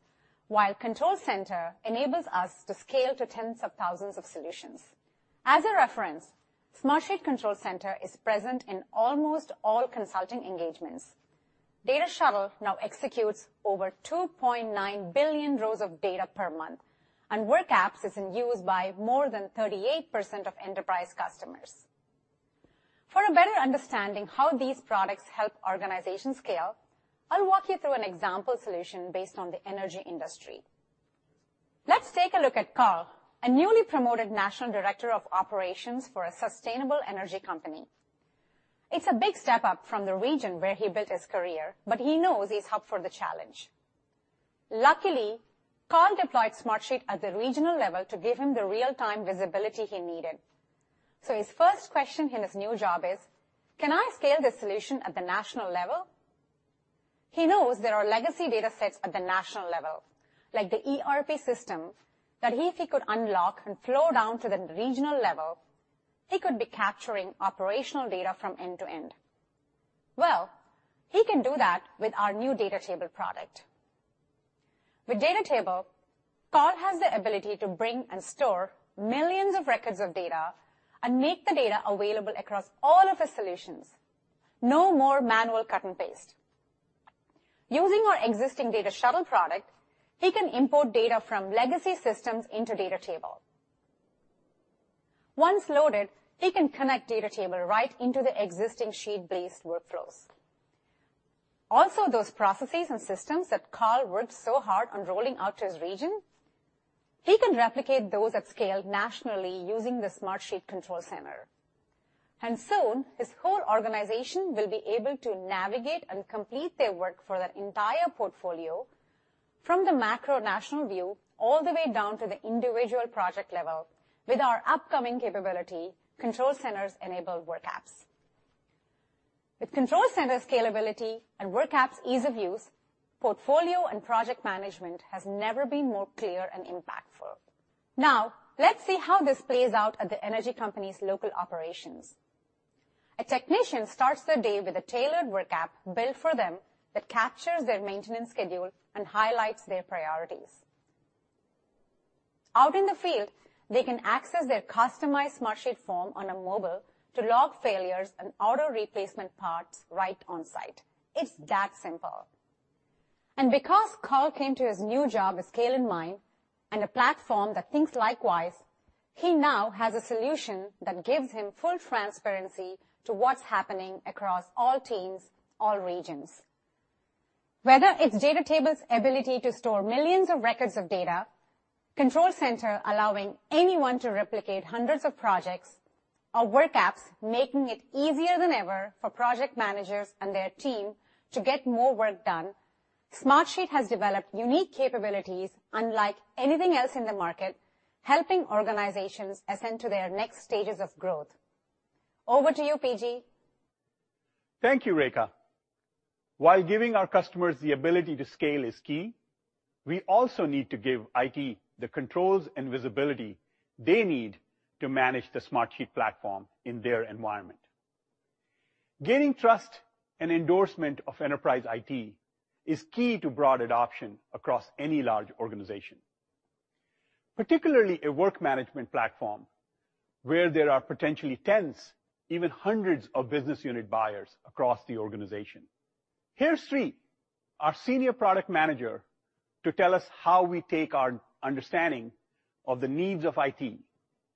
while Control Center enables us to scale to tens of thousands of solutions. As a reference, Smartsheet Control Center is present in almost all consulting engagements. Data Shuttle now executes over 2.9 billion rows of data per month, and WorkApps is in use by more than 38% of enterprise customers. For a better understanding how these products help organizations scale, I'll walk you through an example solution based on the energy industry. Let's take a look at Carl, a newly promoted national director of operations for a sustainable energy company. It's a big step up from the region where he built his career, but he knows he's up for the challenge. Luckily, Carl deployed Smartsheet at the regional level to give him the real-time visibility he needed. His first question in his new job is, Can I scale this solution at the national level? He knows there are legacy data sets at the national level, like the ERP system, that if he could unlock and flow down to the regional level, he could be capturing operational data from end to end. He can do that with our new DataTable product. With DataTable, Carl has the ability to bring and store millions of records of data and make the data available across all of his solutions. No more manual cut and paste. Using our existing Data Shuttle product, he can import data from legacy systems into DataTable. Once loaded, he can connect DataTable right into the existing sheet-based workflows. Also, those processes and systems that Carl worked so hard on rolling out to his region, he can replicate those at scale nationally using the Smartsheet Control Center. Soon, his whole organization will be able to navigate and complete their work for that entire portfolio from the macro national view all the way down to the individual project level with our upcoming capability, Control Center enabled WorkApps. With Control Center scalability and WorkApps ease of use, portfolio and project management has never been more clear and impactful. Now, let's see how this plays out at the energy company's local operations. A technician starts their day with a tailored Work App built for them that captures their maintenance schedule and highlights their priorities. Out in the field, they can access their customized Smartsheet form on a mobile to log failures and order replacement parts right on site. It's that simple. Because Carl came to his new job with scale in mind and a platform that thinks likewise, he now has a solution that gives him full transparency to what's happening across all teams, all regions. Whether it's DataTable's ability to store millions of records of data, Control Center allowing anyone to replicate hundreds of projects, or WorkApps making it easier than ever for project managers and their team to get more work done, Smartsheet has developed unique capabilities unlike anything else in the market, helping organizations ascend to their next stages of growth. Over to you, PG. Thank you, Rekha. While giving our customers the ability to scale is key, we also need to give IT the controls and visibility they need to manage the Smartsheet platform in their environment. Gaining trust and endorsement of enterprise IT is key to broad adoption across any large organization, particularly a work management platform where there are potentially tens, even hundreds of business unit buyers across the organization. Here's Sri, our senior product manager, to tell us how we take our understanding of the needs of IT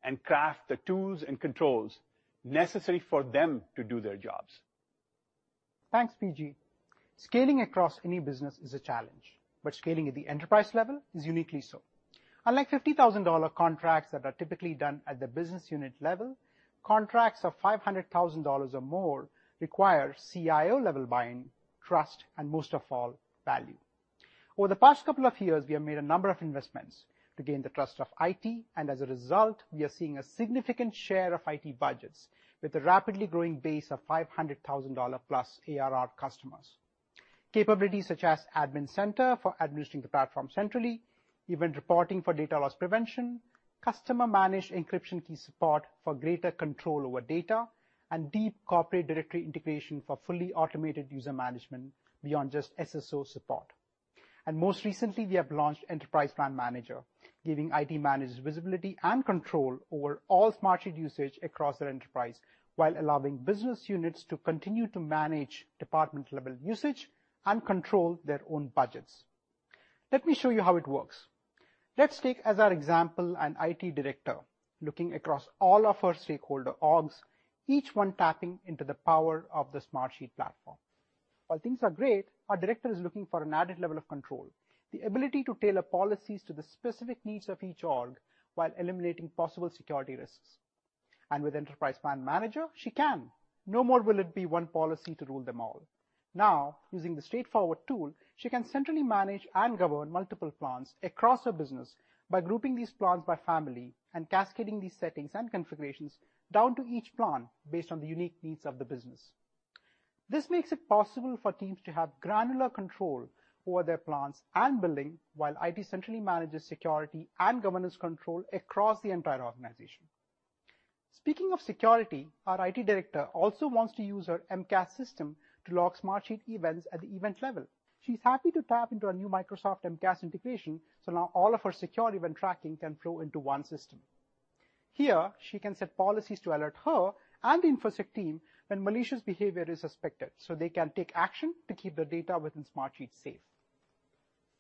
and craft the tools and controls necessary for them to do their jobs. Thanks, PG. Scaling across any business is a challenge, but scaling at the enterprise level is uniquely so. Unlike $50,000 contracts that are typically done at the business unit level, contracts of $500,000 or more require CIO-level buy-in, trust, and most of all, value. Over the past couple of years, we have made a number of investments to gain the trust of IT, and as a result, we are seeing a significant share of IT budgets with a rapidly growing base of $500,000+ ARR customers. Capabilities such as Admin Center for administering the platform centrally, event reporting for data loss prevention, customer-managed encryption key support for greater control over data, and deep corporate directory integration for fully automated user management beyond just SSO support. Most recently, we have launched Enterprise Plan Manager, giving IT managers visibility and control over all Smartsheet usage across their enterprise, while allowing business units to continue to manage department-level usage and control their own budgets. Let me show you how it works. Let's take as our example an IT director looking across all of our stakeholder orgs, each one tapping into the power of the Smartsheet platform. While things are great, our director is looking for an added level of control, the ability to tailor policies to the specific needs of each org while eliminating possible security risks. With Enterprise Plan Manager, she can. No more will it be one policy to rule them all. Now, using the straightforward tool, she can centrally manage and govern multiple plans across her business by grouping these plans by family and cascading these settings and configurations down to each plan based on the unique needs of the business. This makes it possible for teams to have granular control over their plans and billing while IT centrally manages security and governance control across the entire organization. Speaking of security, our IT director also wants to use her MCAS system to log Smartsheet events at the event level. She's happy to tap into our new Microsoft MCAS integration, so now all of her security event tracking can flow into one system. Here, she can set policies to alert her and the InfoSec team when malicious behavior is suspected, so they can take action to keep their data within Smartsheet safe.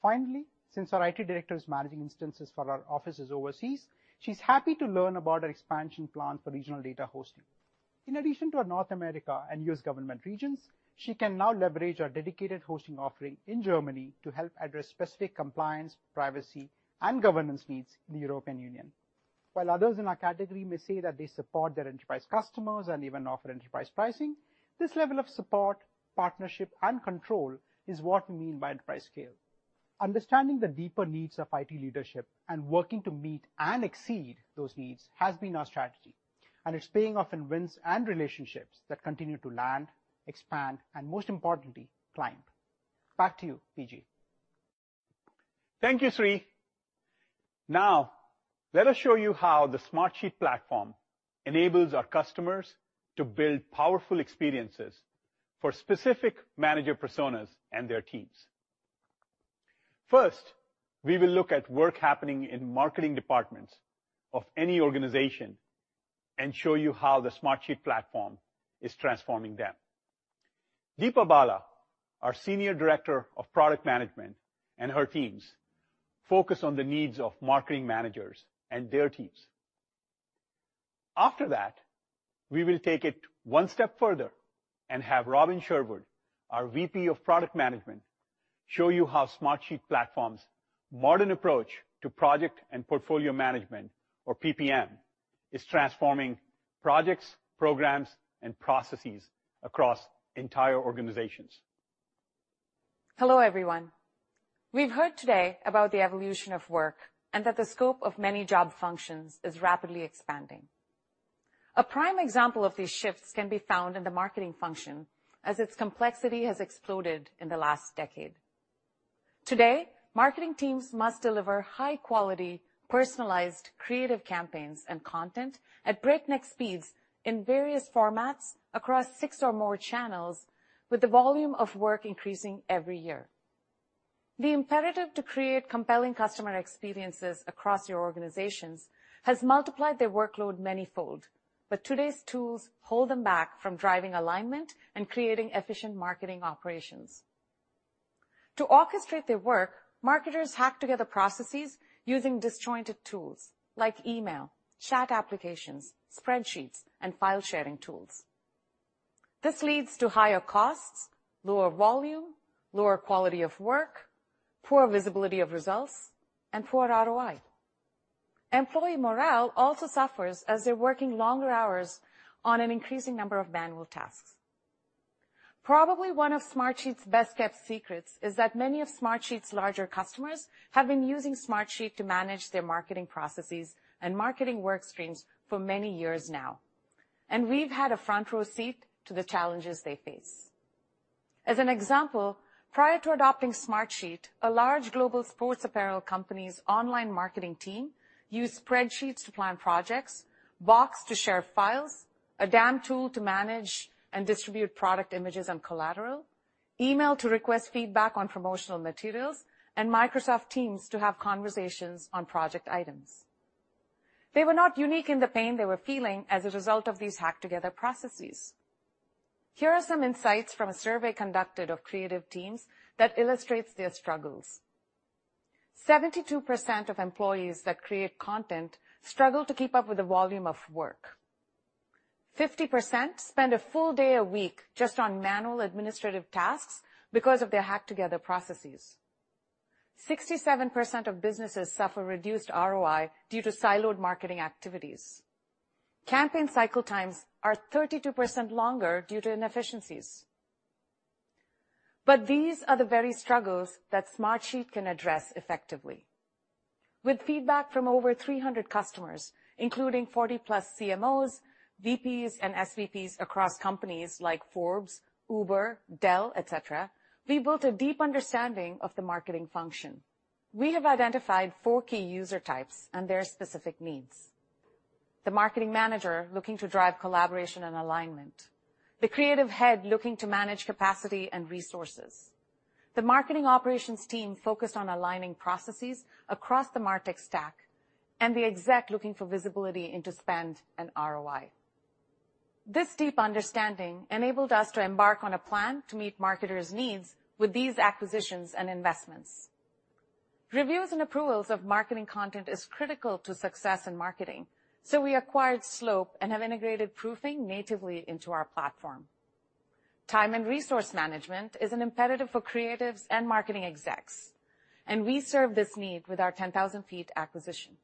Finally, since our IT director is managing instances for our offices overseas, she's happy to learn about our expansion plan for regional data hosting. In addition to our North America and U.S. government regions, she can now leverage our dedicated hosting offering in Germany to help address specific compliance, privacy, and governance needs in the European Union. While others in our category may say that they support their enterprise customers and even offer enterprise pricing, this level of support, partnership, and control is what we mean by enterprise scale. Understanding the deeper needs of IT leadership and working to meet and exceed those needs has been our strategy, and it's paying off in wins and relationships that continue to land, expand, and most importantly, climb. Back to you, PG. Thank you, Sri. Now, let us show you how the Smartsheet platform enables our customers to build powerful experiences for specific manager personas and their teams. First, we will look at work happening in marketing departments of any organization and show you how the Smartsheet platform is transforming them. Deepa Bala, our Senior Director of Product Management, and her teams focus on the needs of marketing managers and their teams. After that, we will take it one step further and have Robin Sherwood, our VP of Product Management, show you how Smartsheet platform's modern approach to project and portfolio management, or PPM, is transforming projects, programs, and processes across entire organizations. Hello, everyone. We've heard today about the evolution of work and that the scope of many job functions is rapidly expanding. A prime example of these shifts can be found in the marketing function, as its complexity has exploded in the last decade. Today, marketing teams must deliver high-quality, personalized creative campaigns and content at breakneck speeds in various formats across six or more channels with the volume of work increasing every year. The imperative to create compelling customer experiences across your organizations has multiplied their workload manyfold, but today's tools hold them back from driving alignment and creating efficient marketing operations. To orchestrate their work, marketers hack together processes using disjointed tools like email, chat applications, spreadsheets, and file-sharing tools. This leads to higher costs, lower volume, lower quality of work, poor visibility of results, and poor ROI. Employee morale also suffers as they're working longer hours on an increasing number of manual tasks. Probably one of Smartsheet's best-kept secrets is that many of Smartsheet's larger customers have been using Smartsheet to manage their marketing processes and marketing work streams for many years now, and we've had a front-row seat to the challenges they face. As an example, prior to adopting Smartsheet, a large global sports apparel company's online marketing team used spreadsheets to plan projects, Box to share files, a DAM tool to manage and distribute product images and collateral, email to request feedback on promotional materials, and Microsoft Teams to have conversations on project items. They were not unique in the pain they were feeling as a result of these hacked-together processes. Here are some insights from a survey conducted of creative teams that illustrates their struggles. 72% of employees that create content struggle to keep up with the volume of work. 50% spend a full day a week just on manual administrative tasks because of their hacked-together processes. 67% of businesses suffer reduced ROI due to siloed marketing activities. Campaign cycle times are 32% longer due to inefficiencies. These are the very struggles that Smartsheet can address effectively. With feedback from over 300 customers, including 40+ CMOs, VPs, and SVPs across companies like Forbes, Uber, Dell, et cetera, we built a deep understanding of the marketing function. We have identified four key user types and their specific needs. The marketing manager looking to drive collaboration and alignment, the creative head looking to manage capacity and resources, the marketing operations team focused on aligning processes across the MarTech stack, and the exec looking for visibility into spend and ROI. This deep understanding enabled us to embark on a plan to meet marketers' needs with these acquisitions and investments. Reviews and approvals of marketing content is critical to success in marketing, so we acquired Slope and have integrated proofing natively into our platform. Time and resource management is an imperative for creatives and marketing execs, and we serve this need with our Ten Thousand Feet acquisition.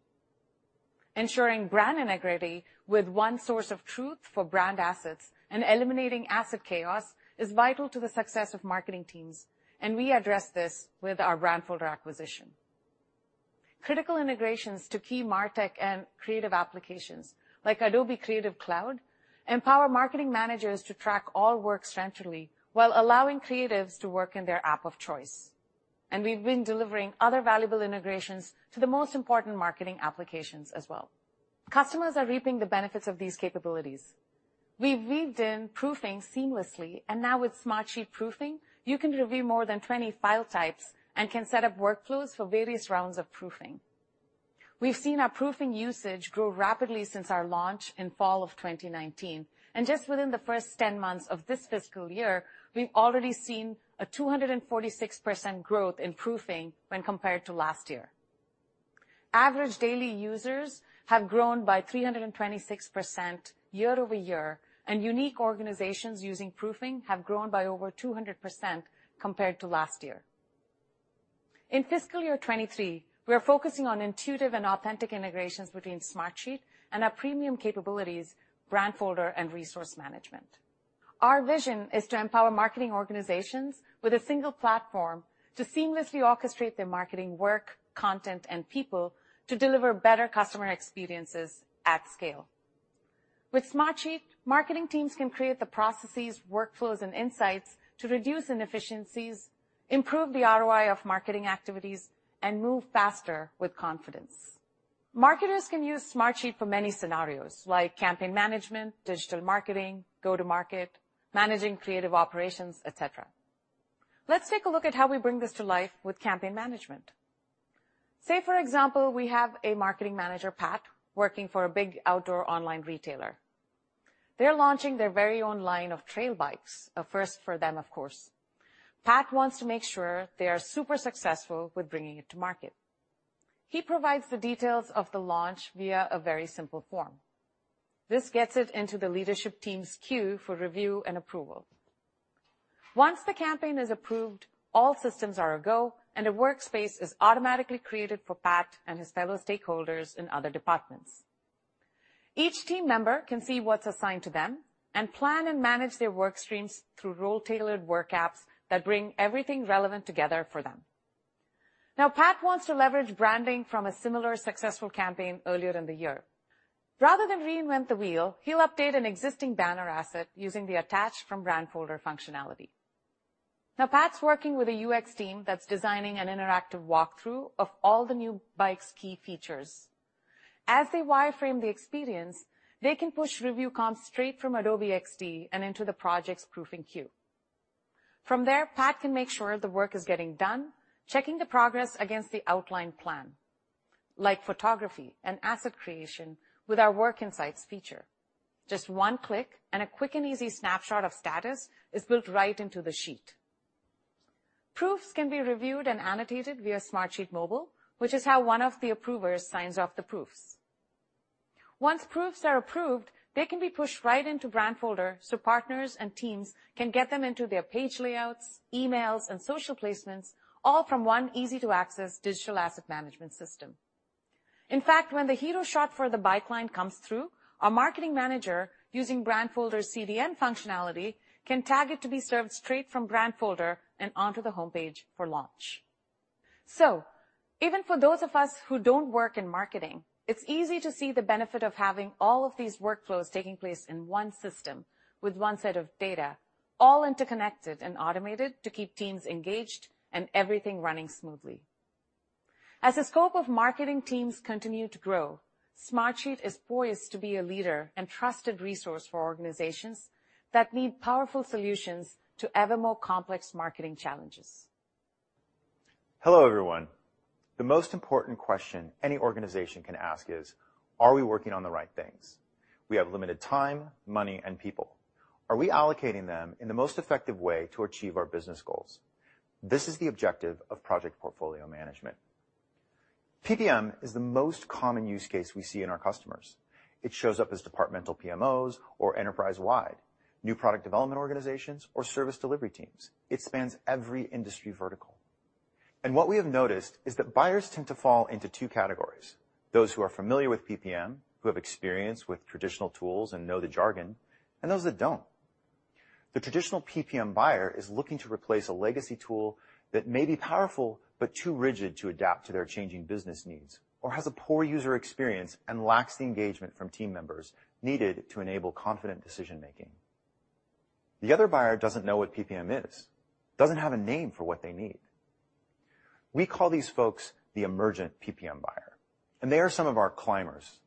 Ensuring brand integrity with one source of truth for brand assets and eliminating asset chaos is vital to the success of marketing teams, and we address this with our Brandfolder acquisition. Critical integrations to key MarTech and creative applications like Adobe Creative Cloud empower marketing managers to track all work centrally while allowing creatives to work in their app of choice. We've been delivering other valuable integrations to the most important marketing applications as well. Customers are reaping the benefits of these capabilities. We weaved in proofing seamlessly, and now with Smartsheet Proofing, you can review more than 20 file types and can set up workflows for various rounds of proofing. We've seen our proofing usage grow rapidly since our launch in fall of 2019, and just within the first 10 months of this fiscal year, we've already seen a 246% growth in proofing when compared to last year. Average daily users have grown by 326% year-over-year, and unique organizations using proofing have grown by over 200% compared to last year. In fiscal year 2023, we are focusing on intuitive and authentic integrations between Smartsheet and our premium capabilities, Brandfolder and Resource Management. Our vision is to empower marketing organizations with a single platform to seamlessly orchestrate their marketing work, content, and people to deliver better customer experiences at scale. With Smartsheet, marketing teams can create the processes, workflows, and insights to reduce inefficiencies, improve the ROI of marketing activities, and move faster with confidence. Marketers can use Smartsheet for many scenarios, like campaign management, digital marketing, go-to-market, managing creative operations, et cetera. Let's take a look at how we bring this to life with campaign management. Say, for example, we have a marketing manager, Pat, working for a big outdoor online retailer. They're launching their very own line of trail bikes, a first for them, of course. Pat wants to make sure they are super successful with bringing it to market. He provides the details of the launch via a very simple form. This gets it into the leadership team's queue for review and approval. Once the campaign is approved, all systems are a go, and a workspace is automatically created for Pat and his fellow stakeholders in other departments. Each team member can see what's assigned to them and plan and manage their work streams through role-tailored WorkApps that bring everything relevant together for them. Now, Pat wants to leverage branding from a similar successful campaign earlier in the year. Rather than reinvent the wheel, he'll update an existing banner asset using the Attach from Brandfolder functionality. Now Pat's working with a UX team that's designing an interactive walkthrough of all the new bike's key features. As they wireframe the experience, they can push review comps straight from Adobe XD and into the project's proofing queue. From there, Pat can make sure the work is getting done, checking the progress against the outlined plan, like photography and asset creation with our Work Insights feature. Just one click, and a quick and easy snapshot of status is built right into the sheet. Proofs can be reviewed and annotated via Smartsheet Mobile, which is how one of the approvers signs off the proofs. Once proofs are approved, they can be pushed right into Brandfolder, so partners and teams can get them into their page layouts, emails, and social placements, all from one easy-to-access digital asset management system. In fact, when the hero shot for the bike line comes through, our marketing manager, using Brandfolder's CDN functionality, can tag it to be served straight from Brandfolder and onto the homepage for launch. Even for those of us who don't work in marketing, it's easy to see the benefit of having all of these workflows taking place in one system with one set of data, all interconnected and automated to keep teams engaged and everything running smoothly. As the scope of marketing teams continue to grow, Smartsheet is poised to be a leader and trusted resource for organizations that need powerful solutions to ever more complex marketing challenges. Hello, everyone. The most important question any organization can ask is: Are we working on the right things? We have limited time, money, and people. Are we allocating them in the most effective way to achieve our business goals? This is the objective of project portfolio management. PPM is the most common use case we see in our customers. It shows up as departmental PMOs or enterprise-wide, new product development organizations or service delivery teams. It spans every industry vertical. What we have noticed is that buyers tend to fall into two categories, those who are familiar with PPM, who have experience with traditional tools and know the jargon, and those that don't. The traditional PPM buyer is looking to replace a legacy tool that may be powerful but too rigid to adapt to their changing business needs or has a poor user experience and lacks the engagement from team members needed to enable confident decision-making. The other buyer doesn't know what PPM is, doesn't have a name for what they need. We call these folks the emergent PPM buyer, and they are some of our climbers.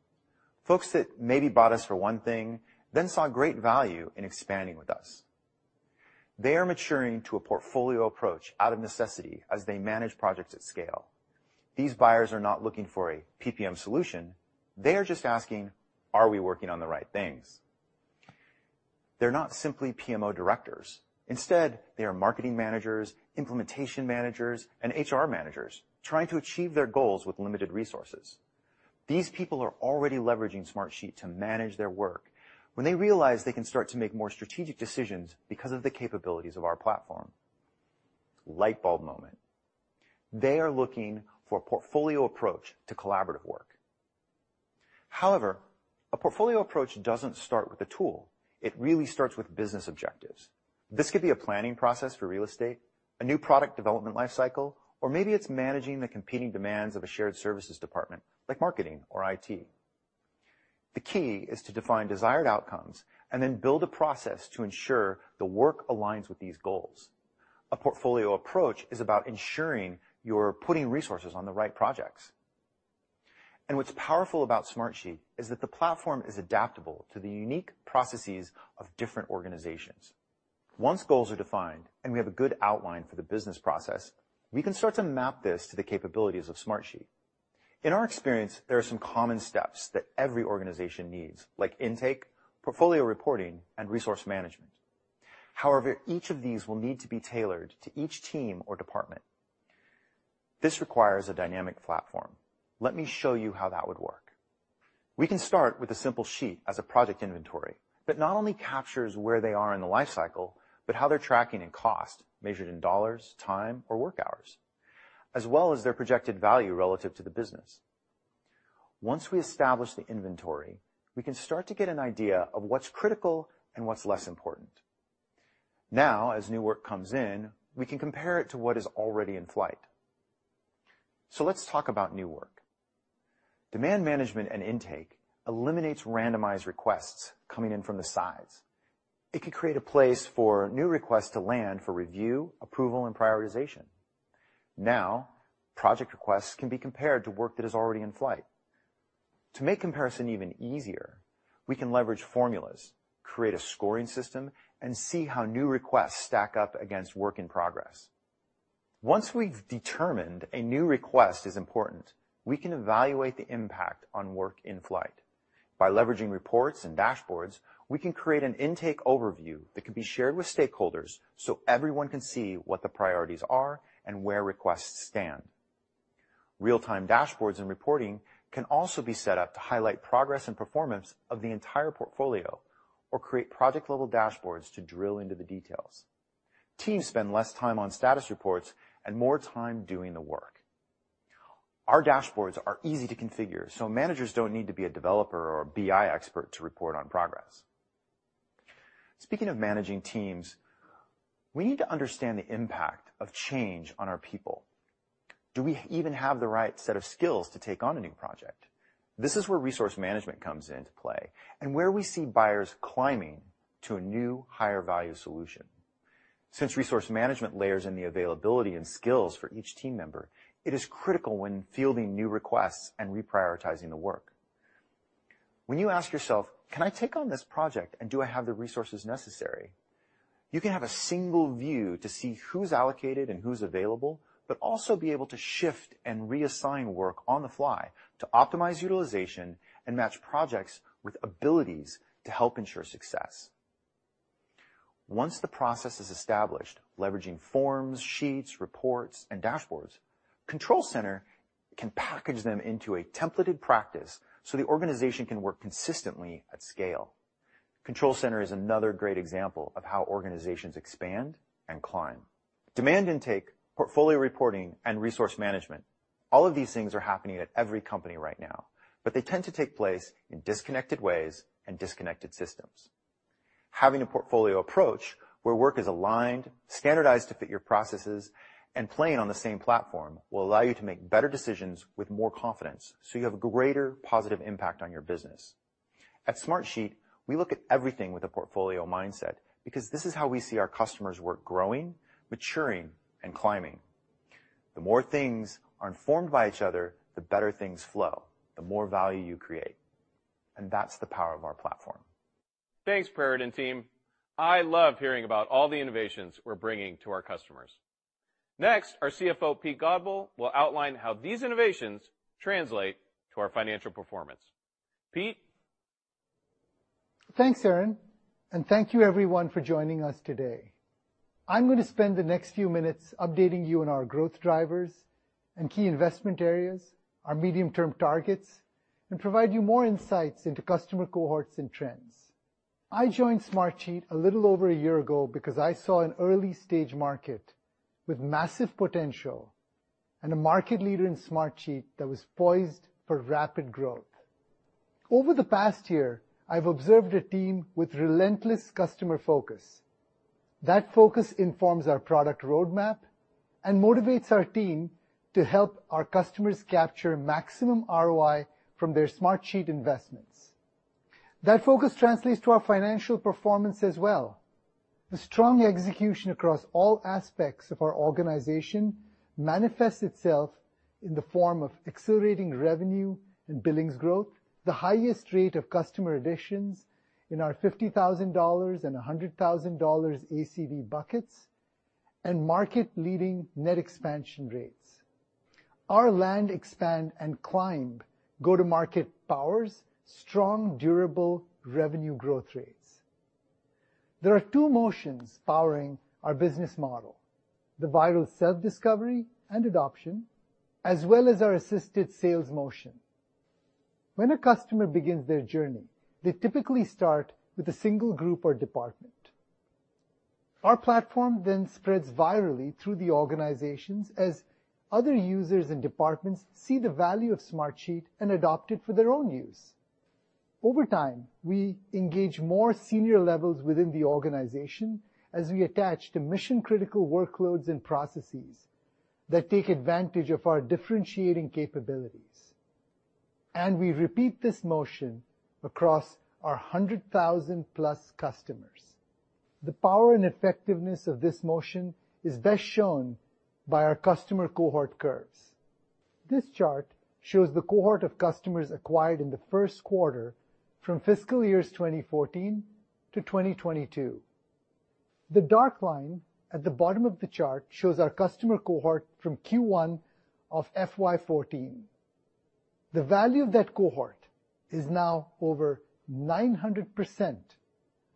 Folks that maybe bought us for one thing, then saw great value in expanding with us. They are maturing to a portfolio approach out of necessity as they manage projects at scale. These buyers are not looking for a PPM solution. They are just asking, "Are we working on the right things?" They're not simply PMO directors. Instead, they are marketing managers, implementation managers, and HR managers trying to achieve their goals with limited resources. These people are already leveraging Smartsheet to manage their work when they realize they can start to make more strategic decisions because of the capabilities of our platform. Light bulb moment. They are looking for a portfolio approach to collaborative work. However, a portfolio approach doesn't start with a tool. It really starts with business objectives. This could be a planning process for real estate, a new product development life cycle, or maybe it's managing the competing demands of a shared services department like marketing or IT. The key is to define desired outcomes and then build a process to ensure the work aligns with these goals. A portfolio approach is about ensuring you're putting resources on the right projects. What's powerful about Smartsheet is that the platform is adaptable to the unique processes of different organizations. Once goals are defined and we have a good outline for the business process, we can start to map this to the capabilities of Smartsheet. In our experience, there are some common steps that every organization needs, like intake, portfolio reporting, and resource management. However, each of these will need to be tailored to each team or department. This requires a dynamic platform. Let me show you how that would work. We can start with a simple sheet as a project inventory that not only captures where they are in the life cycle, but how they're tracking in cost, measured in dollars, time, or work hours, as well as their projected value relative to the business. Once we establish the inventory, we can start to get an idea of what's critical and what's less important. Now, as new work comes in, we can compare it to what is already in flight. Let's talk about new work. Demand management and intake eliminates randomized requests coming in from the sides. It could create a place for new requests to land for review, approval, and prioritization. Now, project requests can be compared to work that is already in flight. To make comparison even easier, we can leverage formulas, create a scoring system, and see how new requests stack up against work in progress. Once we've determined a new request is important, we can evaluate the impact on work in flight. By leveraging reports and dashboards, we can create an intake overview that can be shared with stakeholders so everyone can see what the priorities are and where requests stand. Real-time dashboards and reporting can also be set up to highlight progress and performance of the entire portfolio or create project-level dashboards to drill into the details. Teams spend less time on status reports and more time doing the work. Our dashboards are easy to configure, so managers don't need to be a developer or a BI expert to report on progress. Speaking of managing teams, we need to understand the impact of change on our people. Do we even have the right set of skills to take on a new project? This is where Resource Management comes into play and where we see buyers climbing to a new higher-value solution. Since Resource Management layers in the availability and skills for each team member, it is critical when fielding new requests and reprioritizing the work. When you ask yourself, Can I take on this project, and do I have the resources necessary? You can have a single view to see who's allocated and who's available, but also be able to shift and reassign work on the fly to optimize utilization and match projects with abilities to help ensure success. Once the process is established, leveraging forms, sheets, reports, and dashboards, Control Center can package them into a templated practice so the organization can work consistently at scale. Control Center is another great example of how organizations expand and climb. Demand intake, portfolio reporting, and resource management. All of these things are happening at every company right now, but they tend to take place in disconnected ways and disconnected systems. Having a portfolio approach where work is aligned, standardized to fit your processes, and playing on the same platform will allow you to make better decisions with more confidence, so you have a greater positive impact on your business. At Smartsheet, we look at everything with a portfolio mindset because this is how we see our customers work growing, maturing, and climbing. The more things are informed by each other, the better things flow, the more value you create, and that's the power of our platform. Thanks, Praerit and team. I love hearing about all the innovations we're bringing to our customers. Next, our CFO, Pete Godbole, will outline how these innovations translate to our financial performance. Pete? Thanks, Aaron, and thank you everyone for joining us today. I'm going to spend the next few minutes updating you on our growth drivers and key investment areas, our medium-term targets, and provide you more insights into customer cohorts and trends. I joined Smartsheet a little over a year ago because I saw an early-stage market with massive potential and a market leader in Smartsheet that was poised for rapid growth. Over the past year, I've observed a team with relentless customer focus. That focus informs our product roadmap and motivates our team to help our customers capture maximum ROI from their Smartsheet investments. That focus translates to our financial performance as well. The strong execution across all aspects of our organization manifests itself in the form of accelerating revenue and billings growth, the highest rate of customer additions in our $50,000 and $100,000 ACV buckets, and market-leading net expansion rates. Our land expand and climb go-to-market powers strong, durable revenue growth rates. There are two motions powering our business model: the viral self-discovery and adoption, as well as our assisted sales motion. When a customer begins their journey, they typically start with a single group or department. Our platform then spreads virally through the organizations as other users and departments see the value of Smartsheet and adopt it for their own use. Over time, we engage more senior levels within the organization as we attach to mission-critical workloads and processes that take advantage of our differentiating capabilities. We repeat this motion across our 100,000+ customers. The power and effectiveness of this motion is best shown by our customer cohort curves. This chart shows the cohort of customers acquired in the first quarter from fiscal years 2014 to 2022. The dark line at the bottom of the chart shows our customer cohort from Q1 of FY 2014. The value of that cohort is now over 900%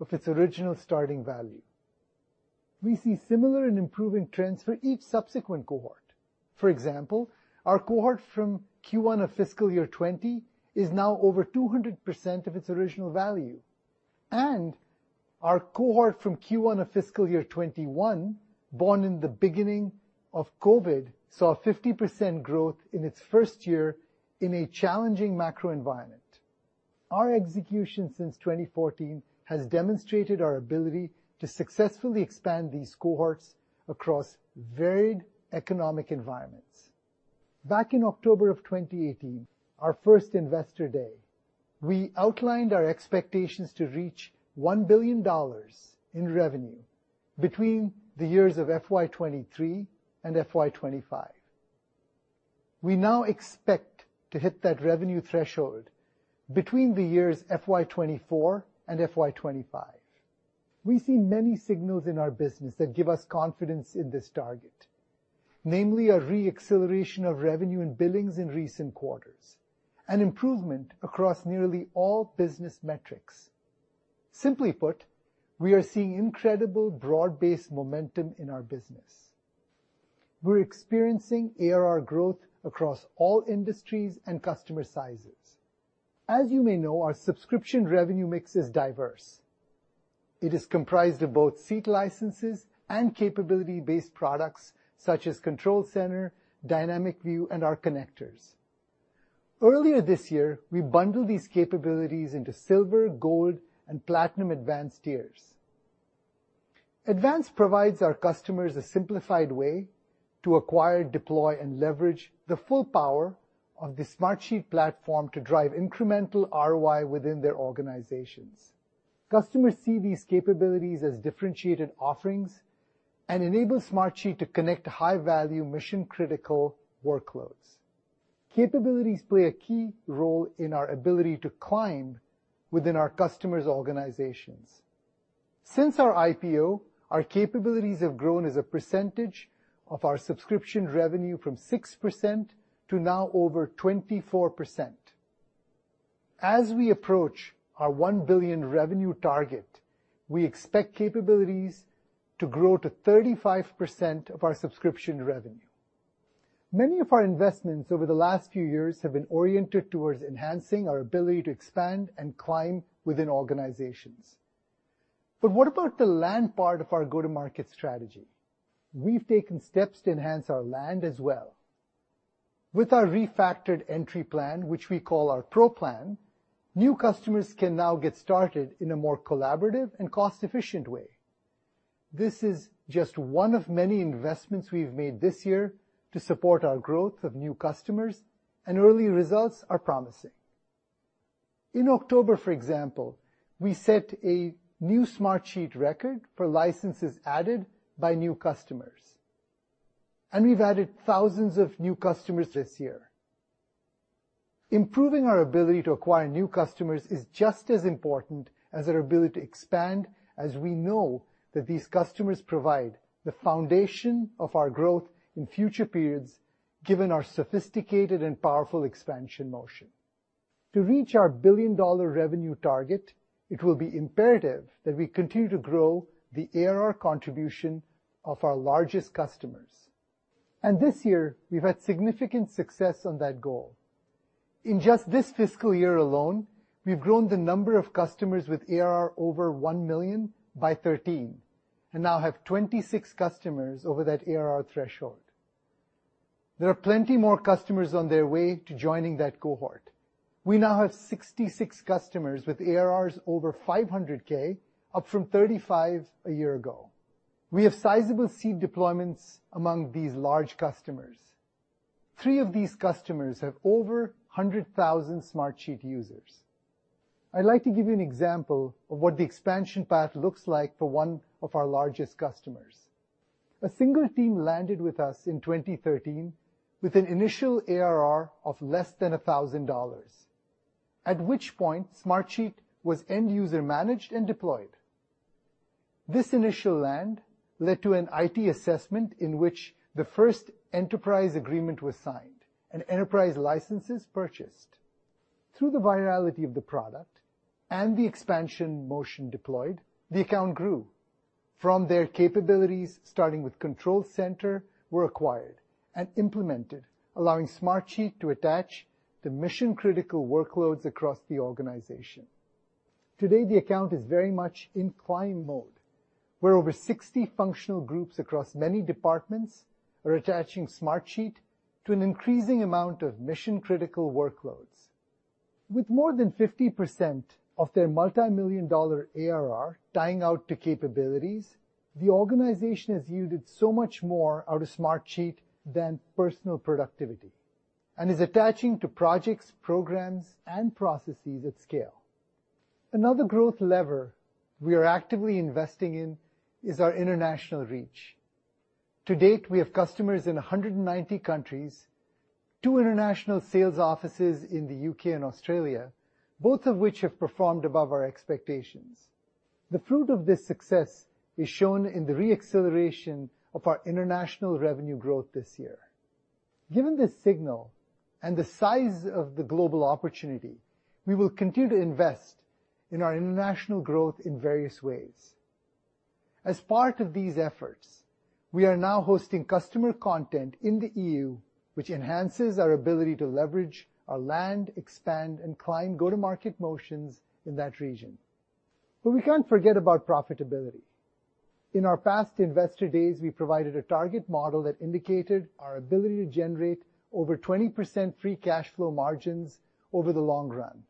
of its original starting value. We see similar and improving trends for each subsequent cohort. For example, our cohort from Q1 of fiscal year 2020 is now over 200% of its original value. Our cohort from Q1 of fiscal year 2021, born in the beginning of COVID, saw 50% growth in its first year in a challenging macro environment. Our execution since 2014 has demonstrated our ability to successfully expand these cohorts across varied economic environments. Back in October 2018, our first investor day, we outlined our expectations to reach $1 billion in revenue between the years of FY 2023 and FY 2025. We now expect to hit that revenue threshold between the years FY 2024 and FY 2025. We see many signals in our business that give us confidence in this target. Namely, a re-acceleration of revenue and billings in recent quarters, and improvement across nearly all business metrics. Simply put, we are seeing incredible broad-based momentum in our business. We're experiencing ARR growth across all industries and customer sizes. As you may know, our subscription revenue mix is diverse. It is comprised of both seat licenses and capability-based products, such as Control Center, Dynamic View, and our connectors. Earlier this year, we bundled these capabilities into Silver, Gold, and Platinum advanced tiers. Advance provides our customers a simplified way to acquire, deploy, and leverage the full power of the Smartsheet platform to drive incremental ROI within their organizations. Customers see these capabilities as differentiated offerings and enable Smartsheet to connect high-value mission-critical workloads. Capabilities play a key role in our ability to climb within our customers' organizations. Since our IPO, our capabilities have grown as a percentage of our subscription revenue from 6% to now over 24%. As we approach our $1 billion revenue target, we expect capabilities to grow to 35% of our subscription revenue. Many of our investments over the last few years have been oriented towards enhancing our ability to expand and climb within organizations. What about the land part of our go-to-market strategy? We've taken steps to enhance our land as well. With our refactored entry plan, which we call our Pro Plan, new customers can now get started in a more collaborative and cost-efficient way. This is just one of many investments we've made this year to support our growth of new customers, and early results are promising. In October, for example, we set a new Smartsheet record for licenses added by new customers. We've added thousands of new customers this year. Improving our ability to acquire new customers is just as important as our ability to expand as we know that these customers provide the foundation of our growth in future periods, given our sophisticated and powerful expansion motion. To reach our billion-dollar revenue target, it will be imperative that we continue to grow the ARR contribution of our largest customers. This year, we've had significant success on that goal. In just this fiscal year alone, we've grown the number of customers with ARR over $1 million by 13 and now have 26 customers over that ARR threshold. There are plenty more customers on their way to joining that cohort. We now have 66 customers with ARRs over $500K, up from 35 a year ago. We have sizable seed deployments among these large customers. Three of these customers have over 100,000 Smartsheet users. I'd like to give you an example of what the expansion path looks like for one of our largest customers. A single team landed with us in 2013 with an initial ARR of less than $1,000, at which point Smartsheet was end-user managed and deployed. This initial land led to an IT assessment in which the first enterprise agreement was signed and enterprise licenses purchased. Through the virality of the product and the expansion motion deployed, the account grew. From there, capabilities, starting with Control Center, were acquired and implemented, allowing Smartsheet to attach the mission-critical workloads across the organization. Today, the account is very much in climb mode, where over 60 functional groups across many departments are attaching Smartsheet to an increasing amount of mission-critical workloads. With more than 50% of their multimillion-dollar ARR tying out to capabilities, the organization has yielded so much more out of Smartsheet than personal productivity and is attaching to projects, programs, and processes at scale. Another growth lever we are actively investing in is our international reach. To date, we have customers in 190 countries, two international sales offices in the U.K. and Australia, both of which have performed above our expectations. The fruit of this success is shown in the re-acceleration of our international revenue growth this year. Given this signal and the size of the global opportunity, we will continue to invest in our international growth in various ways. As part of these efforts, we are now hosting customer content in the EU, which enhances our ability to leverage our land, expand, and climb go-to-market motions in that region. We can't forget about profitability. In our past Investor Days, we provided a target model that indicated our ability to generate over 20% free cash flow margins over the long run.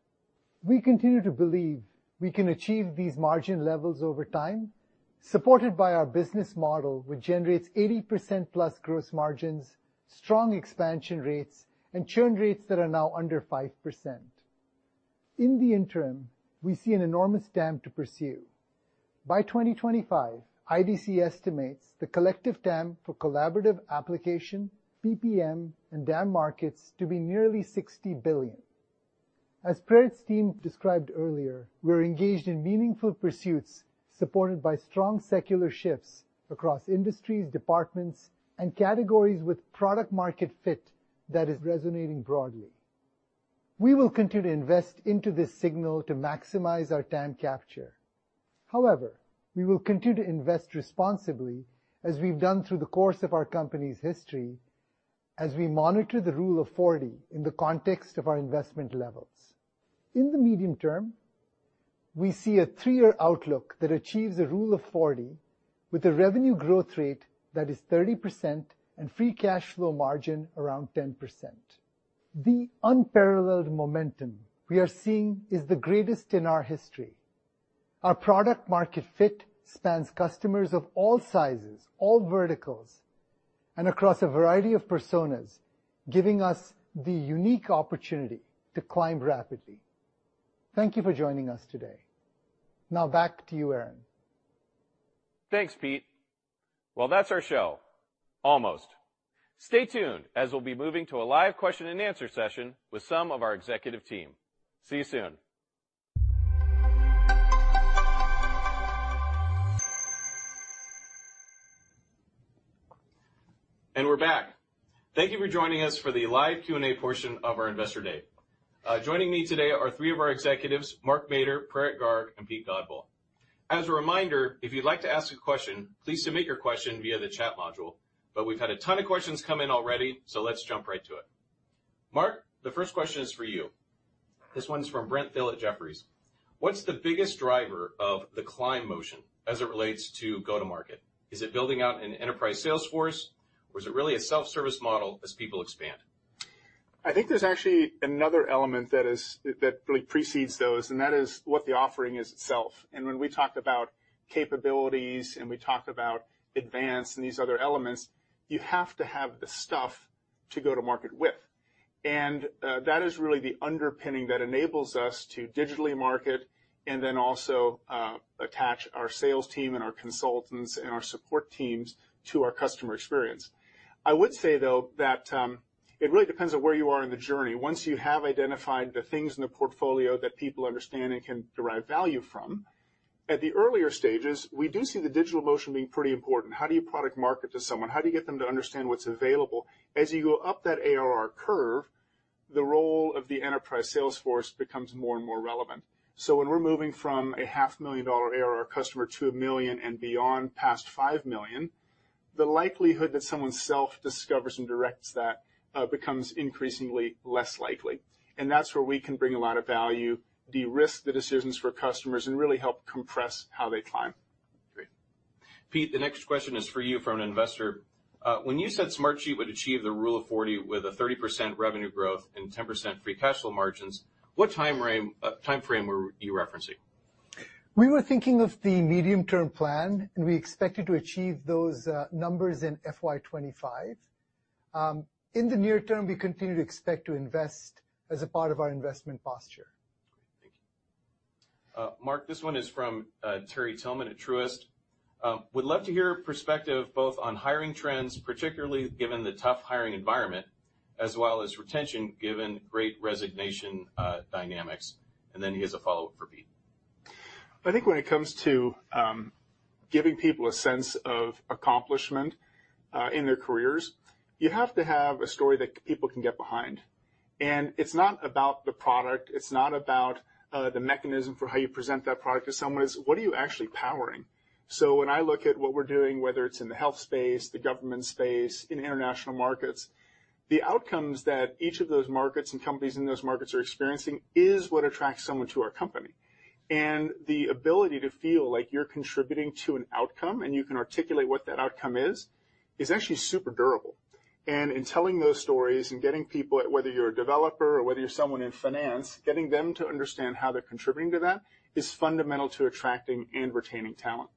We continue to believe we can achieve these margin levels over time, supported by our business model, which generates 80%+ gross margins, strong expansion rates, and churn rates that are now under 5%. In the interim, we see an enormous TAM to pursue. By 2025, IDC estimates the collective TAM for collaborative application, PPM, and DAM markets to be nearly $60 billion. As Praerit's team described earlier, we're engaged in meaningful pursuits supported by strong secular shifts across industries, departments, and categories with product market fit that is resonating broadly. We will continue to invest into this signal to maximize our TAM capture. However, we will continue to invest responsibly as we've done through the course of our company's history as we monitor the rule of forty in the context of our investment levels. In the medium term, we see a three-year outlook that achieves a rule of forty with a revenue growth rate that is 30% and free cash flow margin around 10%. The unparalleled momentum we are seeing is the greatest in our history. Our product market fit spans customers of all sizes, all verticals, and across a variety of personas, giving us the unique opportunity to climb rapidly. Thank you for joining us today. Now back to you, Aaron. Thanks, Pete. Well, that's our show. Almost. Stay tuned as we'll be moving to a live question-and-answer session with some of our executive team. See you soon. We're back. Thank you for joining us for the live Q&A portion of our Investor Day. Joining me today are three of our executives, Mark Mader, Praerit Garg, and Pete Godbole. As a reminder, if you'd like to ask a question, please submit your question via the chat module, but we've had a ton of questions come in already, so let's jump right to it. Mark, the first question is for you. This one's from Brent Thill at Jefferies: What's the biggest driver of the customer motion as it relates to go-to-market? Is it building out an enterprise sales force, or is it really a self-service model as people expand? I think there's actually another element that really precedes those, and that is what the offering is itself. When we talked about capabilities and we talked about Advance and these other elements, you have to have the stuff to go to market with. That is really the underpinning that enables us to digitally market and then also attach our sales team and our consultants and our support teams to our customer experience. I would say, though, that it really depends on where you are in the journey. Once you have identified the things in the portfolio that people understand and can derive value from, at the earlier stages, we do see the digital motion being pretty important. How do you product market to someone? How do you get them to understand what's available? As you go up that ARR curve, the role of the enterprise sales force becomes more and more relevant. When we're moving from a half-million-dollar ARR customer to $1 million and beyond past $5 million, the likelihood that someone self-discovers and directs that becomes increasingly less likely. That's where we can bring a lot of value, de-risk the decisions for customers, and really help compress how they climb. Great. Pete, the next question is for you from an investor. When you said Smartsheet would achieve the rule of 40 with 30% revenue growth and 10% free cash flow margins, what time frame were you referencing? We were thinking of the medium-term plan, and we expected to achieve those numbers in FY 2025. In the near term, we continue to expect to invest as a part of our investment posture. Great. Thank you. Mark, this one is from Terry Tillman at Truist. Would love to hear your perspective both on hiring trends, particularly given the tough hiring environment, as well as retention, given Great Resignation dynamics. He has a follow-up for Pete. I think when it comes to giving people a sense of accomplishment in their careers, you have to have a story that people can get behind. It's not about the product, it's not about the mechanism for how you present that product to someone. It's what are you actually powering? When I look at what we're doing, whether it's in the health space, the government space, in international markets, the outcomes that each of those markets and companies in those markets are experiencing is what attracts someone to our company. The ability to feel like you're contributing to an outcome, and you can articulate what that outcome is actually super durable. In telling those stories and getting people, whether you're a developer or whether you're someone in finance, getting them to understand how they're contributing to that is fundamental to attracting and retaining talent.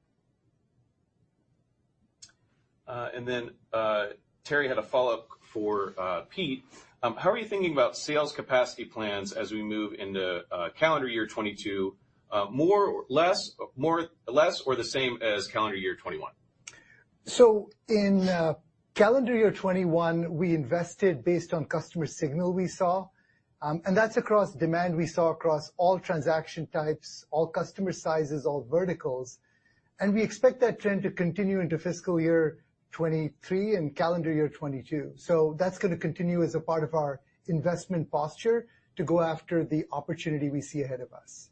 Terry had a follow-up for Pete. How are you thinking about sales capacity plans as we move into calendar year 2022? More or less, more, less, or the same as calendar year 2021? In calendar year 2021, we invested based on customer signal we saw. That's across demand we saw across all transaction types, all customer sizes, all verticals. We expect that trend to continue into fiscal year 2023 and calendar year 2022. That's gonna continue as a part of our investment posture to go after the opportunity we see ahead of us.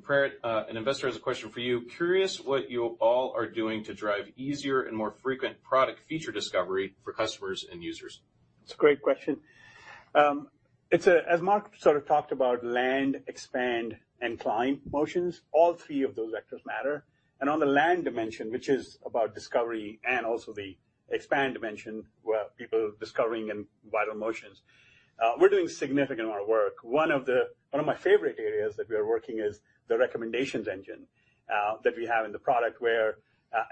Praerit, an investor has a question for you. Curious what you all are doing to drive easier and more frequent product feature discovery for customers and users. It's a great question. As Mark sort of talked about land, expand, and climb motions, all three of those vectors matter. On the land dimension, which is about discovery and also the expand dimension, where people discovering in vital motions, we're doing significant amount of work. One of my favorite areas that we are working is the recommendations engine that we have in the product, where,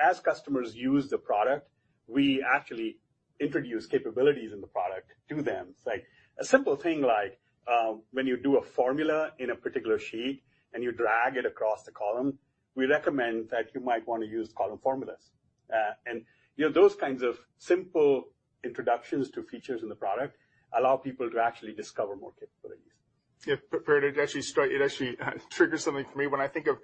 as customers use the product, we actually introduce capabilities in the product to them. It's like a simple thing like, when you do a formula in a particular sheet and you drag it across the column, we recommend that you might wanna use column formulas. You know, those kinds of simple introductions to features in the product allow people to actually discover more capabilities. Yeah. Praerit, it actually triggers something for me when I think of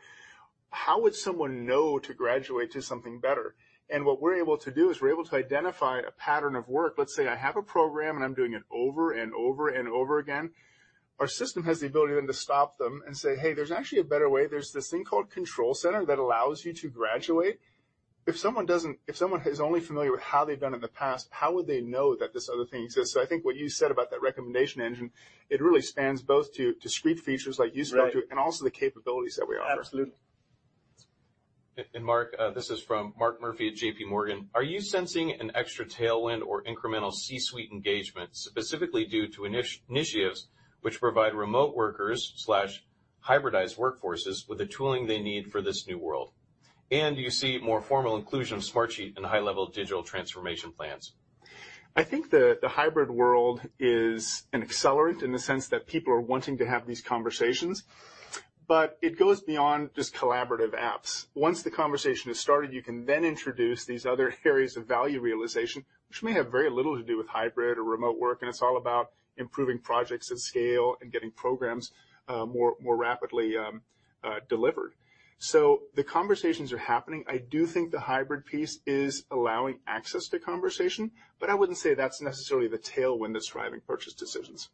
how would someone know to graduate to something better? What we're able to do is we're able to identify a pattern of work. Let's say I have a program, and I'm doing it over and over and over again. Our system has the ability then to stop them and say Hey, there's actually a better way. There's this thing called Control Center that allows you to graduate. If someone is only familiar with how they've done in the past, how would they know that this other thing exists? I think what you said about that recommendation engine, it really spans both to discrete features like you spoke to- Right. also the capabilities that we offer. Absolutely. Mark, this is from Mark Murphy at JPMorgan. Are you sensing an extra tailwind or incremental C-suite engagement, specifically due to initiatives which provide remote workers/hybridized workforces with the tooling they need for this new world? Do you see more formal inclusion of Smartsheet in high-level digital transformation plans? I think the hybrid world is an accelerant in the sense that people are wanting to have these conversations, but it goes beyond just collaborative apps. Once the conversation has started, you can then introduce these other areas of value realization, which may have very little to do with hybrid or remote work, and it's all about improving projects at scale and getting programs more rapidly delivered. The conversations are happening. I do think the hybrid piece is allowing access to conversation, but I wouldn't say that's necessarily the tailwind that's driving purchase decisions.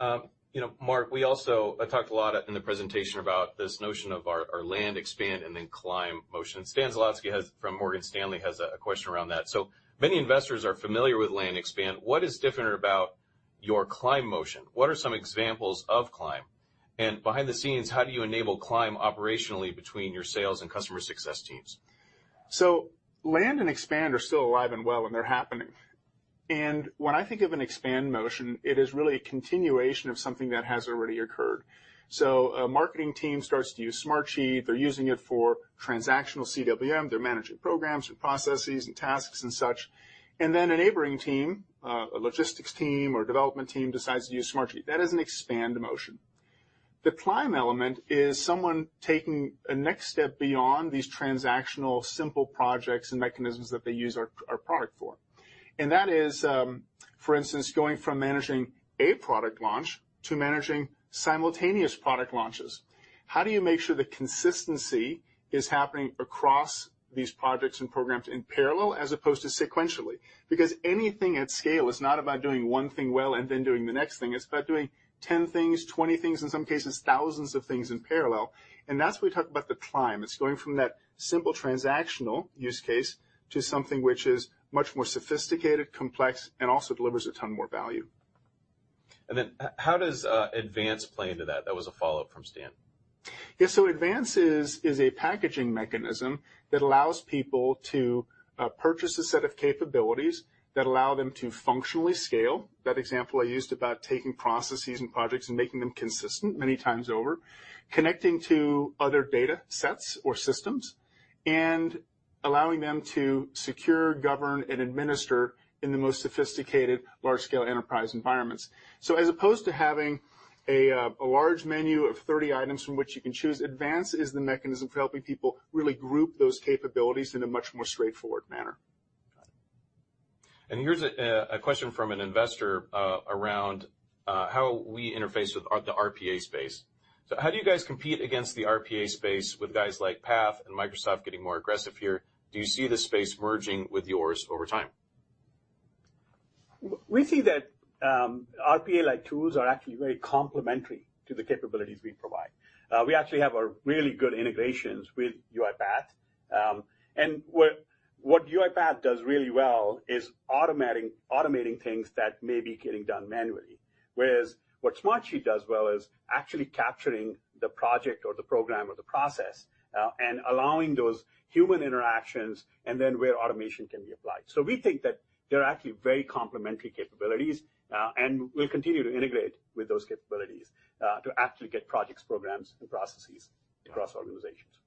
Got it. You know, Mark, we also talked a lot in the presentation about this notion of our land, expand, and then climb motion. Stan Zlotsky from Morgan Stanley has a question around that. Many investors are familiar with land, expand. What is different about your climb motion? What are some examples of climb? And behind the scenes, how do you enable climb operationally between your sales and customer success teams? Land and expand are still alive and well, and they're happening. When I think of an expand motion, it is really a continuation of something that has already occurred. A marketing team starts to use Smartsheet. They're using it for transactional CWM. They're managing programs or processes and tasks and such. Then a neighboring team, a logistics team or development team decides to use Smartsheet. That is an expand motion. The climb element is someone taking a next step beyond these transactional simple projects and mechanisms that they use our product for. That is, for instance, going from managing a product launch to managing simultaneous product launches. How do you make sure the consistency is happening across these projects and programs in parallel as opposed to sequentially? Because anything at scale is not about doing one thing well and then doing the next thing. It's about doing 10 things, 20 things, in some cases, thousands of things in parallel. That's when we talk about the climb. It's going from that simple transactional use case to something which is much more sophisticated, complex, and also delivers a ton more value. How does Advance play into that? That was a follow-up from Stan. Yeah. Advance is a packaging mechanism that allows people to purchase a set of capabilities that allow them to functionally scale, that example I used about taking processes and projects and making them consistent many times over, connecting to other datasets or systems, and allowing them to secure, govern, and administer in the most sophisticated large-scale enterprise environments. As opposed to having a large menu of 30 items from which you can choose, Advance is the mechanism for helping people really group those capabilities in a much more straightforward manner. Got it. Here's a question from an investor around how we interface with the RPA space. How do you guys compete against the RPA space with guys like UiPath and Microsoft getting more aggressive here? Do you see the space merging with yours over time? We see that RPA-like tools are actually very complementary to the capabilities we provide. We actually have a really good integrations with UiPath. What UiPath does really well is automating things that may be getting done manually. Whereas what Smartsheet does well is actually capturing the project or the program or the process, and allowing those human interactions and then where automation can be applied. We think that they're actually very complementary capabilities. We'll continue to integrate with those capabilities, to actually get projects, programs, and processes. Yeah. Across organizations.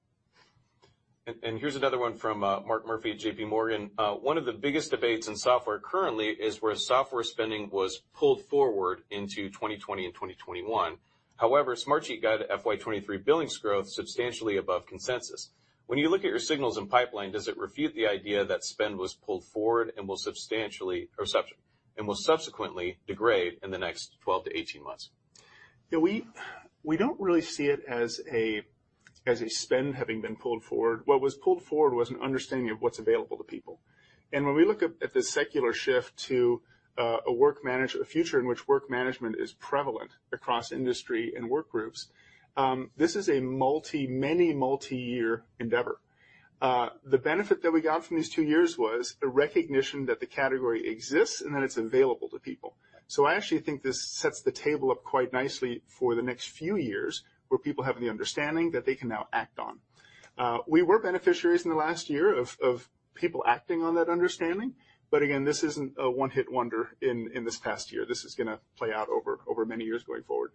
Here's another one from Mark Murphy at JPMorgan. One of the biggest debates in software currently is where software spending was pulled forward into 2020 and 2021. However, Smartsheet guided FY 2023 billings growth substantially above consensus. When you look at your signals and pipeline, does it refute the idea that spend was pulled forward and will substantially and will subsequently degrade in the next 12-18 months? Yeah, we don't really see it as a spend having been pulled forward. What was pulled forward was an understanding of what's available to people. When we look at the secular shift to a future in which work management is prevalent across industry and work groups, this is a many multi-year endeavor. The benefit that we got from these two years was a recognition that the category exists and that it's available to people. I actually think this sets the table up quite nicely for the next few years, where people have the understanding that they can now act on. We were beneficiaries in the last year of people acting on that understanding, but again, this isn't a one-hit wonder in this past year. This is gonna play out over many years going forward.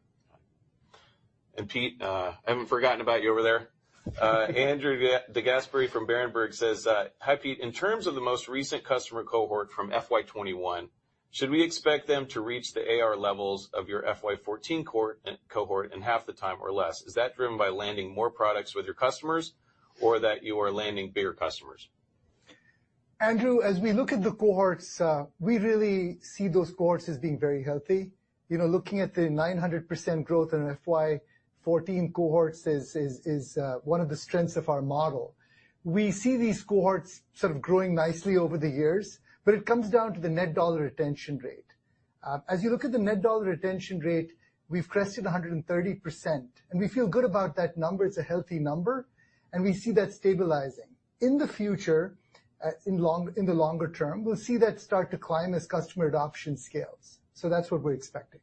Pete, I haven't forgotten about you over there. Andrew DeGasperi from Berenberg says, "Hi, Pete. In terms of the most recent customer cohort from FY 2021, should we expect them to reach the ARR levels of your FY 2014 core cohort in half the time or less? Is that driven by landing more products with your customers or that you are landing bigger customers? Andrew, as we look at the cohorts, we really see those cohorts as being very healthy. You know, looking at the 900% growth in FY 2014 cohorts is one of the strengths of our model. We see these cohorts sort of growing nicely over the years, but it comes down to the net dollar retention rate. As you look at the net dollar retention rate, we've crested 130%, and we feel good about that number. It's a healthy number, and we see that stabilizing. In the future, in the longer term, we'll see that start to climb as customer adoption scales. That's what we're expecting.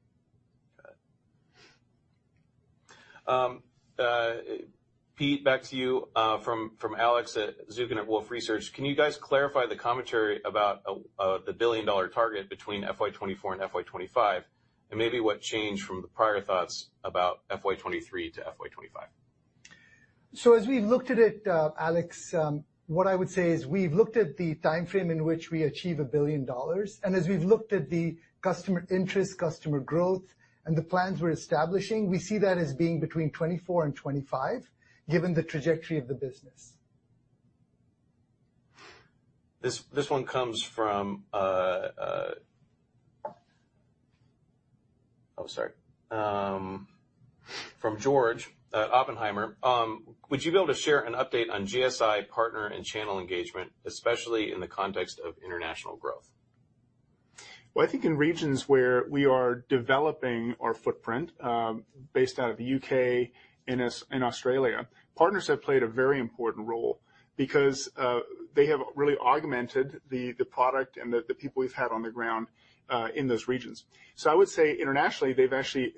Got it. Pete, back to you, from Alex Zukin at Wolfe Research: Can you guys clarify the commentary about the billion-dollar target between FY 2024 and FY 2025, and maybe what changed from the prior thoughts about FY 2023 to FY 2025? As we looked at it, Alex, what I would say is we've looked at the timeframe in which we achieve $1 billion, and as we've looked at the customer interest, customer growth, and the plans we're establishing, we see that as being between 2024 and 2025, given the trajectory of the business. This one comes from George at Oppenheimer. Would you be able to share an update on GSI partner and channel engagement, especially in the context of international growth? Well, I think in regions where we are developing our footprint, based out of the U.K. and Australia, partners have played a very important role because they have really augmented the product and the people we've had on the ground in those regions. I would say internationally, they've actually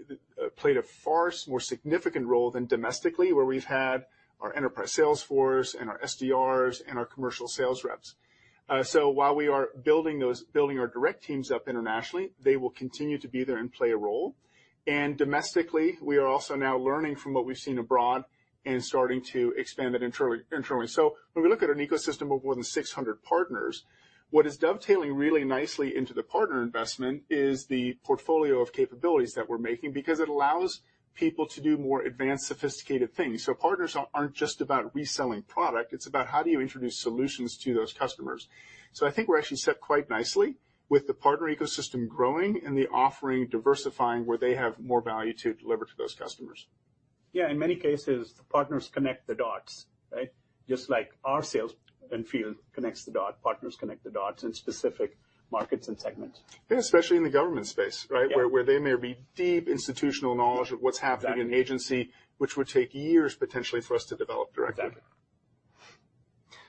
played a far more significant role than domestically, where we've had our enterprise sales force and our SDRs and our commercial sales reps. While we are building those building our direct teams up internationally, they will continue to be there and play a role. Domestically, we are also now learning from what we've seen abroad and starting to expand that internally. When we look at an ecosystem of more than 600 partners, what is dovetailing really nicely into the partner investment is the portfolio of capabilities that we're making because it allows people to do more advanced, sophisticated things. Partners aren't just about reselling product. It's about how do you introduce solutions to those customers. I think we're actually set quite nicely with the partner ecosystem growing and the offering diversifying where they have more value to deliver to those customers. Yeah, in many cases, the partners connect the dots, right? Just like our sales and field connect the dots, partners connect the dots in specific markets and segments. Especially in the government space, right? Yeah. Where they may have a deep institutional knowledge of what's happening. Exactly... in an agency, which would take years potentially for us to develop directly. Exactly.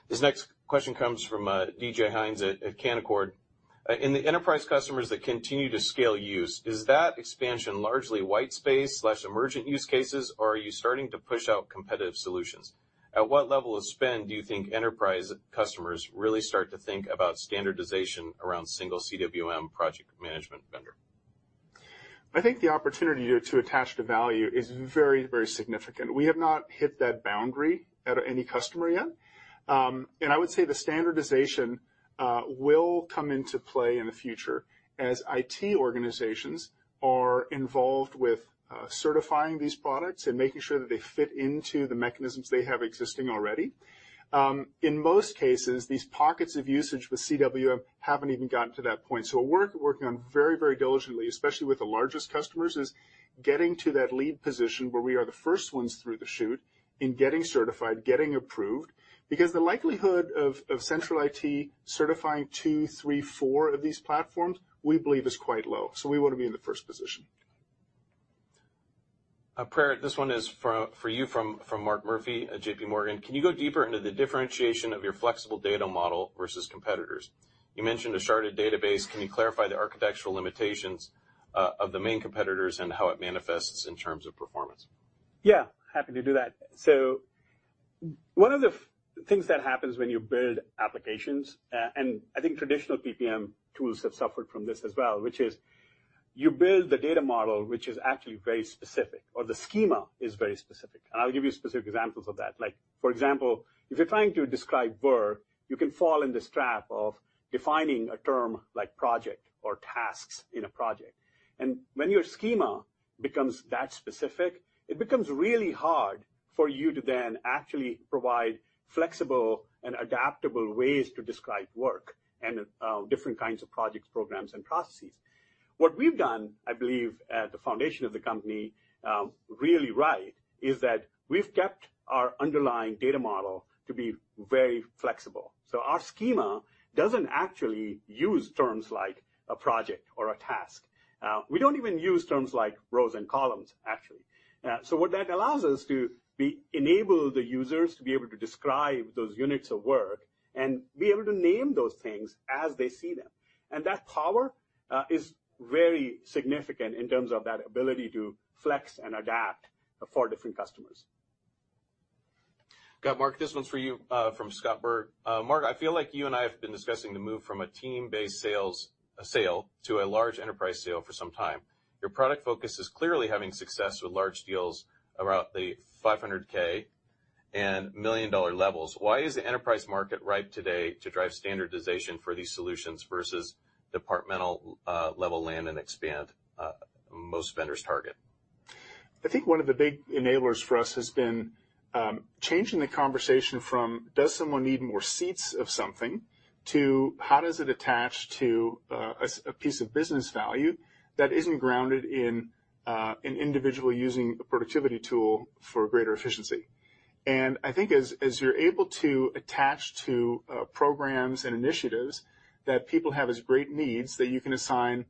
This next question comes from DJ Hynes at Canaccord Genuity. In the enterprise customers that continue to scale use, is that expansion largely white space/emergent use cases or are you starting to push out competitive solutions? At what level of spend do you think enterprise customers really start to think about standardization around single CWM project management vendor? I think the opportunity to attach the value is very, very significant. We have not hit that boundary at any customer yet. I would say the standardization will come into play in the future as IT organizations are involved with certifying these products and making sure that they fit into the mechanisms they have existing already. In most cases, these pockets of usage with CWM haven't even gotten to that point. What we're working on very, very diligently, especially with the largest customers, is getting to that lead position where we are the first ones through the chute in getting certified, getting approved, because the likelihood of central IT certifying two, three, four of these platforms, we believe is quite low. We wanna be in the first position. Praerit, this one is for you from Mark Murphy at JPMorgan. Can you go deeper into the differentiation of your flexible data model versus competitors? You mentioned a sharded database. Can you clarify the architectural limitations of the main competitors and how it manifests in terms of performance? Yeah, happy to do that. One of the things that happens when you build applications, and I think traditional PPM tools have suffered from this as well, which is you build the data model, which is actually very specific, or the schema is very specific. I'll give you specific examples of that. Like, for example, if you're trying to describe work, you can fall into this trap of defining a term like project or tasks in a project. When your schema becomes that specific, it becomes really hard for you to then actually provide flexible and adaptable ways to describe work and, different kinds of projects, programs, and processes. What we've done, I believe, at the foundation of the company, really right is that we've kept our underlying data model to be very flexible. So our schema doesn't actually use terms like a project or a task. We don't even use terms like rows and columns, actually. So what that allows us to enable the users to be able to describe those units of work and be able to name those things as they see them. That power is very significant in terms of that ability to flex and adapt for different customers. Got it. Mark, this one's for you from Scott Berg. "Mark, I feel like you and I have been discussing the move from a team-based sales to a large enterprise sale for some time. Your product focus is clearly having success with large deals about the $500K and million-dollar levels. Why is the enterprise market ripe today to drive standardization for these solutions versus departmental level land and expand most vendors target? I think one of the big enablers for us has been changing the conversation from, does someone need more seats of something to how does it attach to a piece of business value that isn't grounded in an individual using a productivity tool for greater efficiency? I think as you're able to attach to programs and initiatives that people have as great needs that you can assign,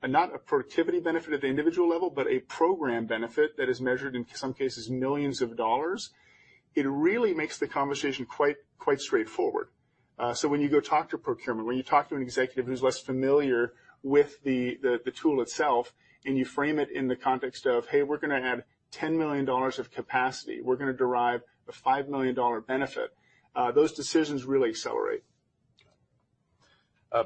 but not a productivity benefit at the individual level, but a program benefit that is measured, in some cases, millions of dollars, it really makes the conversation quite straightforward. when you go talk to procurement, when you talk to an executive who's less familiar with the tool itself, and you frame it in the context of, "Hey, we're gonna add $10 million of capacity, we're gonna derive a $5 million benefit," those decisions really accelerate.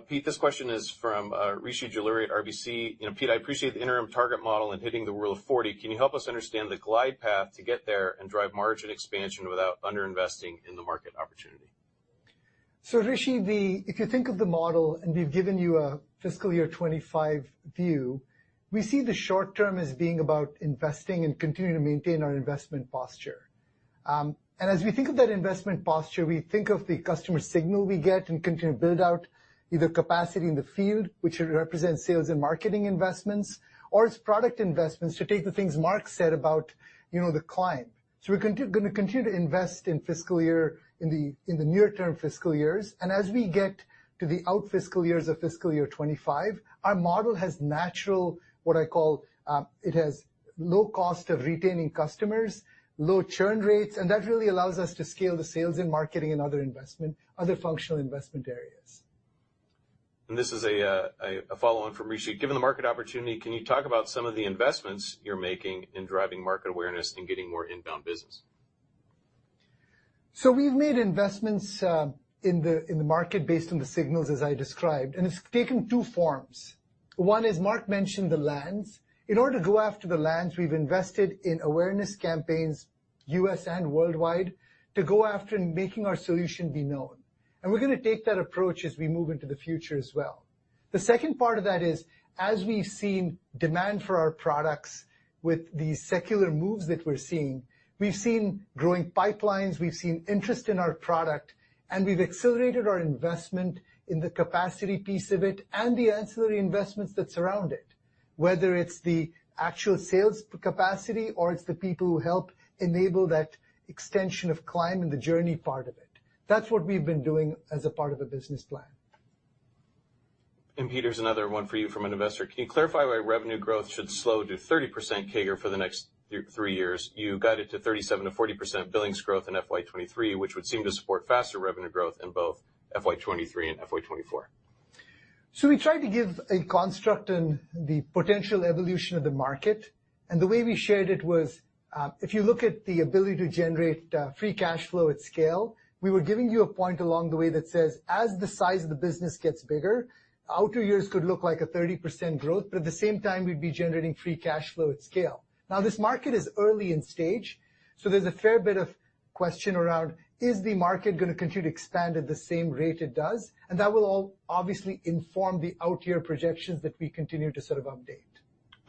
Pete, this question is from Rishi Jaluria at RBC. You know, "Pete, I appreciate the interim target model and hitting the rule of 40. Can you help us understand the glide path to get there and drive margin expansion without under-investing in the market opportunity? Rishi, if you think of the model, and we've given you a fiscal year 2025 view, we see the short term as being about investing and continuing to maintain our investment posture. As we think of that investment posture, we think of the customer signal we get and continue to build out either capacity in the field, which represents sales and marketing investments, or it's product investments to take the things Mark said about, you know, the climb. We're gonna continue to invest in the near-term fiscal years. As we get to the outer fiscal years of fiscal year 2025, our model has natural, what I call, it has low cost of retaining customers, low churn rates, and that really allows us to scale the sales and marketing and other investment, other functional investment areas. This is a follow-on from Rishi. Given the market opportunity, can you talk about some of the investments you're making in driving market awareness and getting more inbound business? We've made investments in the market based on the signals as I described, and it's taken two forms. One, as Mark mentioned, the lands. In order to go after the lands, we've invested in awareness campaigns, U.S. and worldwide, to go after making our solution be known. We're gonna take that approach as we move into the future as well. The second part of that is, as we've seen demand for our products with the secular moves that we're seeing, we've seen growing pipelines, we've seen interest in our product, and we've accelerated our investment in the capacity piece of it and the ancillary investments that surround it, whether it's the actual sales capacity or it's the people who help enable that extension of client and the journey part of it. That's what we've been doing as a part of the business plan. Pete, here's another one for you from an investor. "Can you clarify why revenue growth should slow to 30% CAGR for the next three years? You guided to 37%-40% billings growth in FY 2023, which would seem to support faster revenue growth in both FY 2023 and FY 2024. We tried to give a construct in the potential evolution of the market, and the way we shared it was, if you look at the ability to generate, free cash flow at scale, we were giving you a point along the way that says, as the size of the business gets bigger, outer years could look like a 30% growth, but at the same time, we'd be generating free cash flow at scale. Now, this market is early in stage, so there's a fair bit of question around, is the market gonna continue to expand at the same rate it does? That will all obviously inform the out-year projections that we continue to sort of update.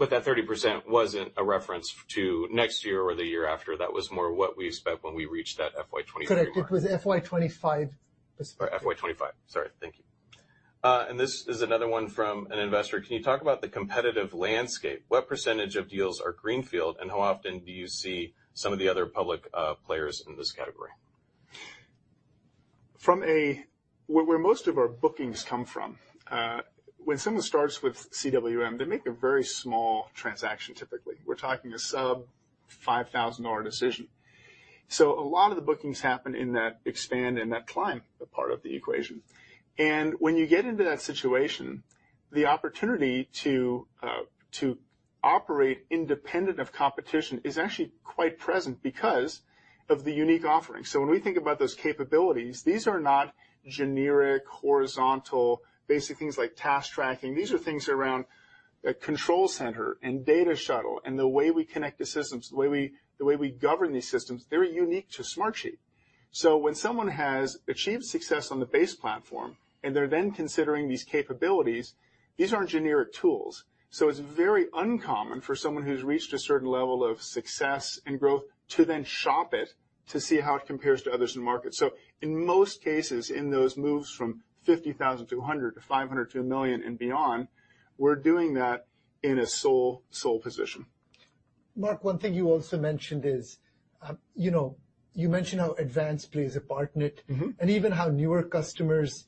That 30% wasn't a reference to next year or the year after. That was more what we expect when we reach that FY 2023 mark. Correct. It was FY 2025. FY 2025. Sorry. Thank you. This is another one from an investor. Can you talk about the competitive landscape? What percentage of deals are greenfield, and how often do you see some of the other public players in this category? Where most of our bookings come from, when someone starts with CWM, they make a very small transaction typically. We're talking a sub $5,000 decision. A lot of the bookings happen in that expand and that climb part of the equation. When you get into that situation, the opportunity to operate independent of competition is actually quite present because of the unique offering. When we think about those capabilities, these are not generic, horizontal, basic things like task tracking. These are things around a Control Center and Data Shuttle and the way we connect the systems, the way we govern these systems, they're unique to Smartsheet. When someone has achieved success on the base platform and they're then considering these capabilities, these aren't generic tools. It's very uncommon for someone who's reached a certain level of success and growth to then shop it to see how it compares to others in the market. In most cases, in those moves from 50,000 to 100 to 500 to 1,000,000 and beyond, we're doing that in a sole position. Mark, one thing you also mentioned is, you know, you mentioned how Advance plays a part in it. Mm-hmm. Even now, newer customers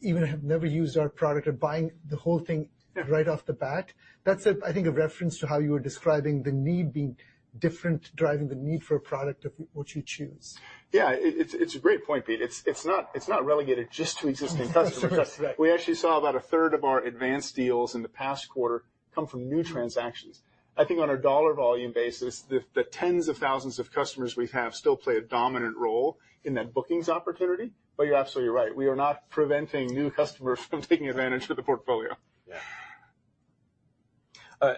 who have never even used our product are buying the whole thing right off the bat. That's, I think, a reference to how you were describing the need being different, driving the need for a product or what you choose. Yeah. It's a great point, Pete. It's not relegated just to existing customers. Right. We actually saw about a third of our Advance deals in the past quarter come from new transactions. I think on a dollar volume basis, the tens of thousands of customers we have still play a dominant role in that bookings opportunity. You're absolutely right. We are not preventing new customers from taking advantage of the portfolio. Yeah.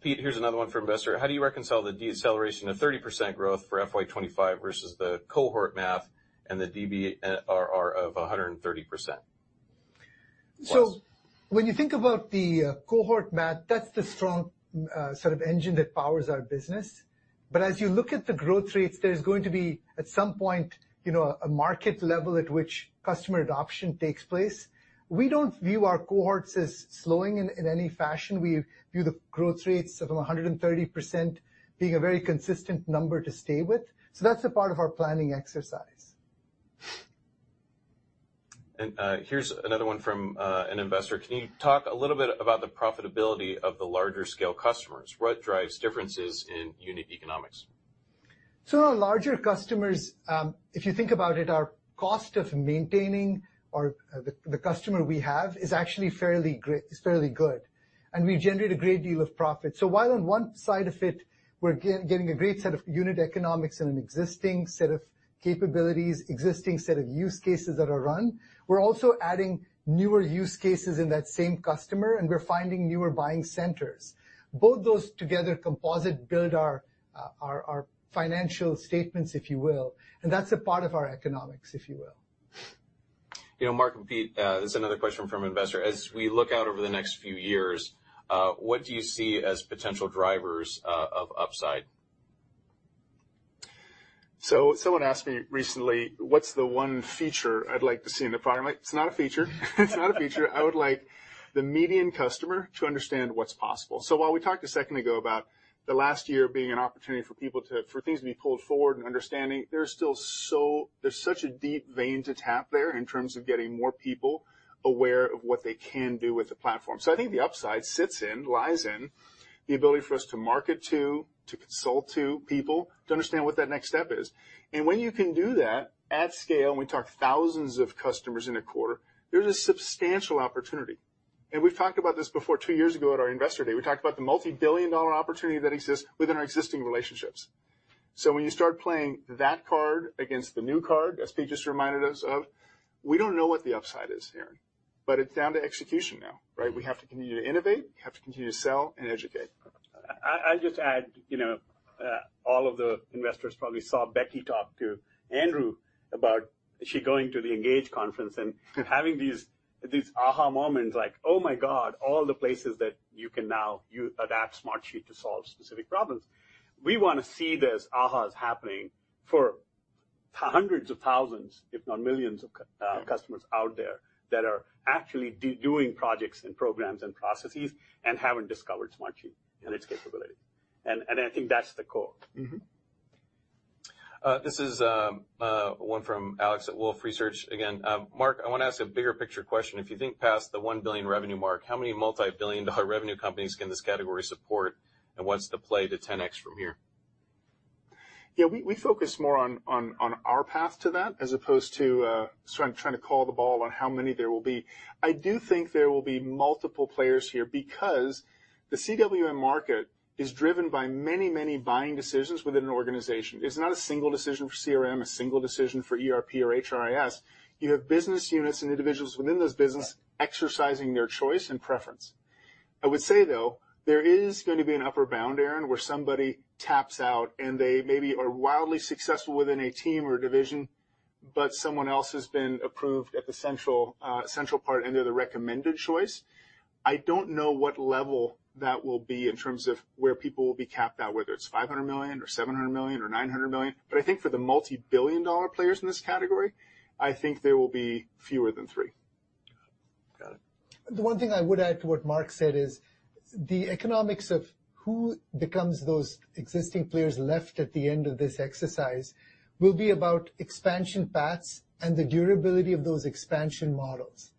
Pete, here's another one from investor. How do you reconcile the deceleration of 30% growth for FY 2025 versus the cohort math and the DBNRR of 130%? When you think about the cohort math, that's the strong, sort of engine that powers our business. But as you look at the growth rates, there's going to be, at some point, you know, a market level at which customer adoption takes place. We don't view our cohorts as slowing in any fashion. We view the growth rates of 130% being a very consistent number to stay with. That's a part of our planning exercise. Here's another one from an investor. Can you talk a little bit about the profitability of the larger scale customers? What drives differences in unit economics? Our larger customers, if you think about it, our cost of maintaining or the customer we have is actually fairly good, and we generate a great deal of profit. While on one side of it, we're getting a great set of unit economics and an existing set of capabilities, existing set of use cases that are run, we're also adding newer use cases in that same customer, and we're finding newer buying centers. Both those together composite build our financial statements, if you will, and that's a part of our economics, if you will. You know, Mark and Pete, this is another question from investor. As we look out over the next few years, what do you see as potential drivers of upside? Someone asked me recently, what's the one feature I'd like to see in the product? It's not a feature. I would like the median customer to understand what's possible. While we talked a second ago about the last year being an opportunity for things to be pulled forward and understanding, there's such a deep vein to tap there in terms of getting more people aware of what they can do with the platform. I think the upside sits in, lies in the ability for us to market to, consult to people to understand what that next step is. When you can do that at scale, and we talk thousands of customers in a quarter, there's a substantial opportunity. We've talked about this before. Two years ago at our investor day, we talked about the multi-billion dollar opportunity that exists within our existing relationships. When you start playing that card against the new card, as Pete just reminded us of, we don't know what the upside is, Aaron, but it's down to execution now, right? We have to continue to innovate. We have to continue to sell and educate. I'll just add, you know, all of the investors probably saw Becky talk to Andrew about she going to the ENGAGE conference and having these aha moments like, oh, my God, all the places that you can now adapt Smartsheet to solve specific problems. We want to see those ahas happening for hundreds of thousands, if not millions of customers out there that are actually doing projects and programs and processes and haven't discovered Smartsheet and its capabilities. I think that's the core. Mm-hmm. This is one from Alex at Wolfe Research again. Mark, I wanna ask a bigger picture question. If you think past the $1 billion revenue mark, how many multi-billion dollar revenue companies can this category support, and what's the play to 10X from here? Yeah, we focus more on our path to that as opposed to sort of trying to call the ball on how many there will be. I do think there will be multiple players here because the CWM market is driven by many, many buying decisions within an organization. It's not a single decision for CRM, a single decision for ERP or HRIS. You have business units and individuals within those business exercising their choice and preference. I would say, though, there is going to be an upper bound, Aaron, where somebody taps out, and they maybe are wildly successful within a team or a division, but someone else has been approved at the central part, and they're the recommended choice. I don't know what level that will be in terms of where people will be capped out, whether it's $500 million or $700 million or $900 million. I think for the multi-billion dollar players in this category, I think there will be fewer than three. Got it. The one thing I would add to what Mark said is the economics of who becomes those existing players left at the end of this exercise will be about expansion paths and the durability of those expansion models.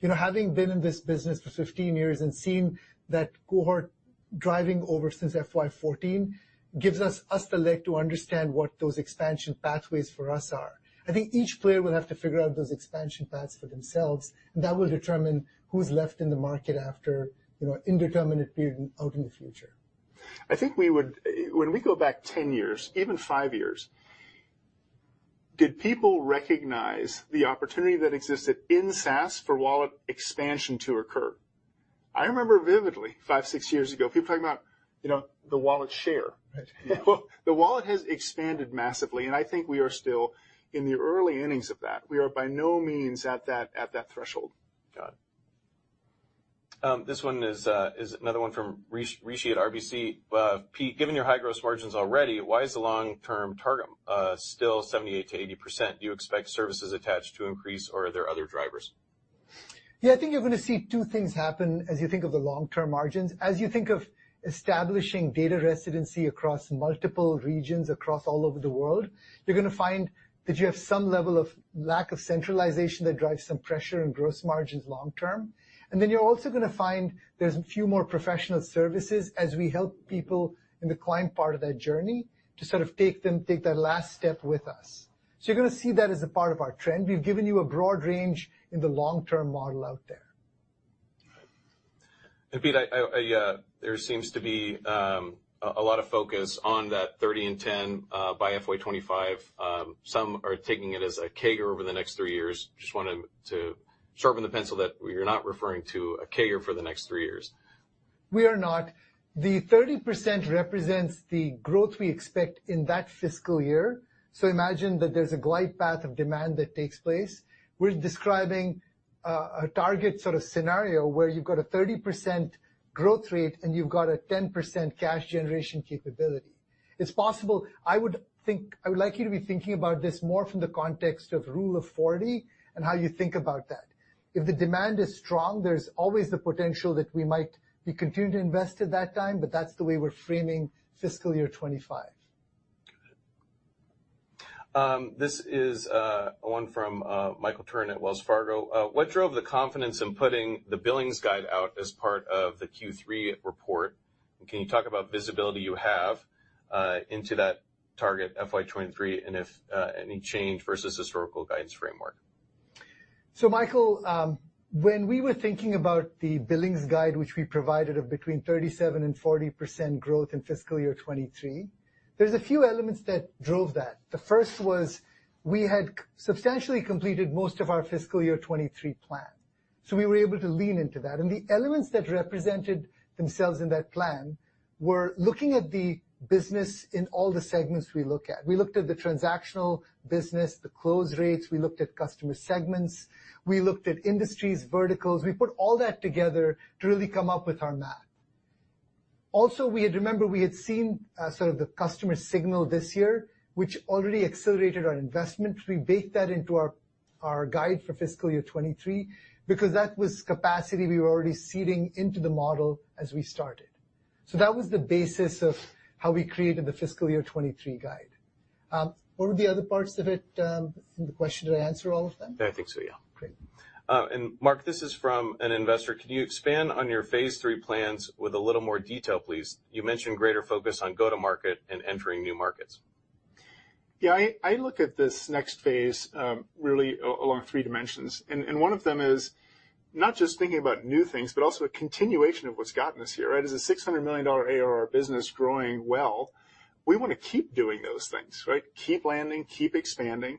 You know, having been in this business for 15 years and seen that cohort driving over since FY 2014 gives us the leg to understand what those expansion pathways for us are. I think each player will have to figure out those expansion paths for themselves, and that will determine who's left in the market after, you know, an indeterminate period out in the future. When we go back 10 years, even 5 years, did people recognize the opportunity that existed in SaaS for wallet expansion to occur? I remember vividly 5, 6 years ago, people talking about, you know, the wallet share. Right. The wallet has expanded massively, and I think we are still in the early innings of that. We are by no means at that threshold. Got it. This one is another one from Rishi at RBC. Pete, given your high gross margins already, why is the long-term target still 78%-80%? Do you expect services attached to increase, or are there other drivers? Yeah, I think you're gonna see two things happen as you think of the long-term margins. As you think of establishing data residency across multiple regions across all over the world, you're gonna find that you have some level of lack of centralization that drives some pressure in gross margins long term. Then you're also gonna find there's a few more professional services as we help people in the client part of that journey to sort of take that last step with us. You're gonna see that as a part of our trend. We've given you a broad range in the long-term model out there. Pete, there seems to be a lot of focus on that 30 in 10 by FY 2025. Some are taking it as a CAGR over the next three years. Just wanted to sharpen the pencil that you're not referring to a CAGR for the next three years. We are not. The 30% represents the growth we expect in that fiscal year. Imagine that there's a glide path of demand that takes place. We're describing a target sort of scenario where you've got a 30% growth rate and you've got a 10% cash generation capability. It's possible. I would like you to be thinking about this more from the context of rule of 40 and how you think about that. If the demand is strong, there's always the potential that we might be continuing to invest at that time, but that's the way we're framing FY 2025. This is one from Michael Turrin at Wells Fargo. What drove the confidence in putting the billings guide out as part of the Q3 report? Can you talk about visibility you have into that target FY 2023, and if any change versus historical guidance framework? Michael, when we were thinking about the billings guide, which we provided of between 37% and 40% growth in fiscal year 2023, there's a few elements that drove that. The first was we had substantially completed most of our fiscal year 2023 plan, so we were able to lean into that. The elements that represented themselves in that plan were looking at the business in all the segments we look at. We looked at the transactional business, the close rates. We looked at customer segments. We looked at industries, verticals. We put all that together to really come up with our math. Also, we had. Remember, we had seen, sort of the customer signal this year, which already accelerated our investment. We baked that into our guide for fiscal year 2023 because that was capacity we were already seeding into the model as we started. That was the basis of how we created the fiscal year 2023 guide. What were the other parts of it in the question? Did I answer all of them? I think so, yeah. Great. Mark, this is from an investor: Can you expand on your phase three plans with a little more detail, please? You mentioned greater focus on go-to-market and entering new markets. I look at this next phase really along three dimensions, and one of them is not just thinking about new things, but also a continuation of what's gotten us here, right? As a $600 million ARR business growing well, we wanna keep doing those things, right? Keep landing, keep expanding.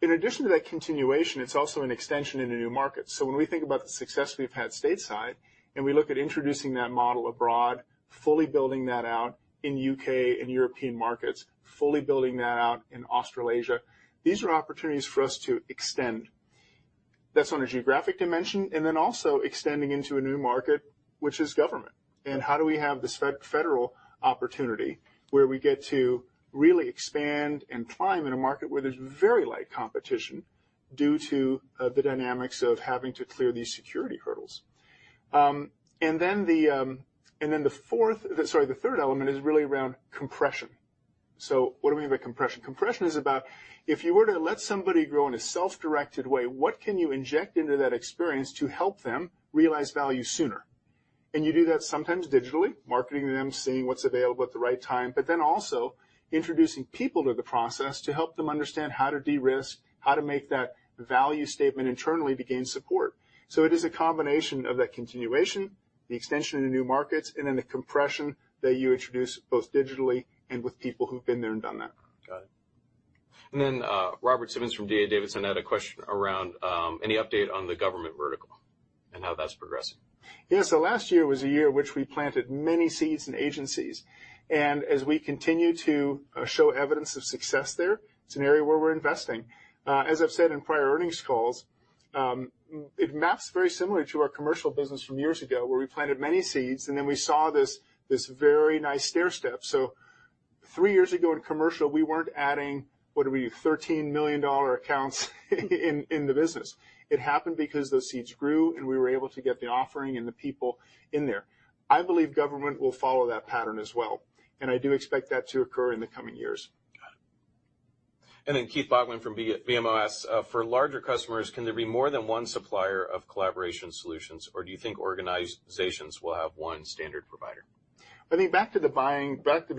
In addition to that continuation, it's also an extension into new markets. When we think about the success we've had stateside, and we look at introducing that model abroad, fully building that out in U.K. and European markets, fully building that out in Australasia, these are opportunities for us to extend. That's on a geographic dimension, and then also extending into a new market, which is government. How do we have this federal opportunity where we get to really expand and climb in a market where there's very light competition due to the dynamics of having to clear these security hurdles? Then the third element is really around compression. What do we mean by compression? Compression is about if you were to let somebody grow in a self-directed way, what can you inject into that experience to help them realize value sooner? You do that sometimes digitally, marketing to them, seeing what's available at the right time, but then also introducing people to the process to help them understand how to de-risk, how to make that value statement internally to gain support. It is a combination of that continuation, the extension into new markets, and then the compression that you introduce both digitally and with people who've been there and done that. Got it. Robert Simmons from D.A. Davidson had a question around any update on the government vertical and how that's progressing. Yeah. Last year was a year which we planted many seeds in agencies. As we continue to show evidence of success there, it's an area where we're investing. As I've said in prior earnings calls, it maps very similarly to our commercial business from years ago, where we planted many seeds, and then we saw this very nice stairstep. Three years ago in commercial, we weren't adding, what are we, $13 million accounts in the business. It happened because those seeds grew, and we were able to get the offering and the people in there. I believe government will follow that pattern as well, and I do expect that to occur in the coming years. Got it. Keith Bachman from BMO asks, For larger customers, can there be more than one supplier of collaboration solutions, or do you think organizations will have one standard provider? I think back to the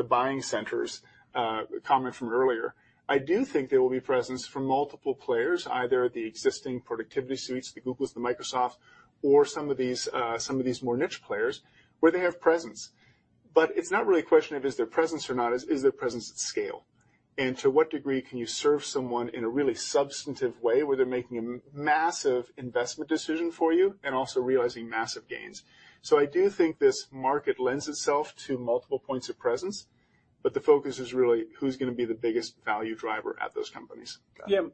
buying centers comment from earlier. I do think there will be presence from multiple players, either the existing productivity suites, the Google, the Microsoft, or some of these more niche players where they have presence. It's not really a question of is there presence or not, it's is there presence at scale? To what degree can you serve someone in a really substantive way where they're making a massive investment decision for you and also realizing massive gains? I do think this market lends itself to multiple points of presence, but the focus is really who's gonna be the biggest value driver at those companies. Got it. Yeah.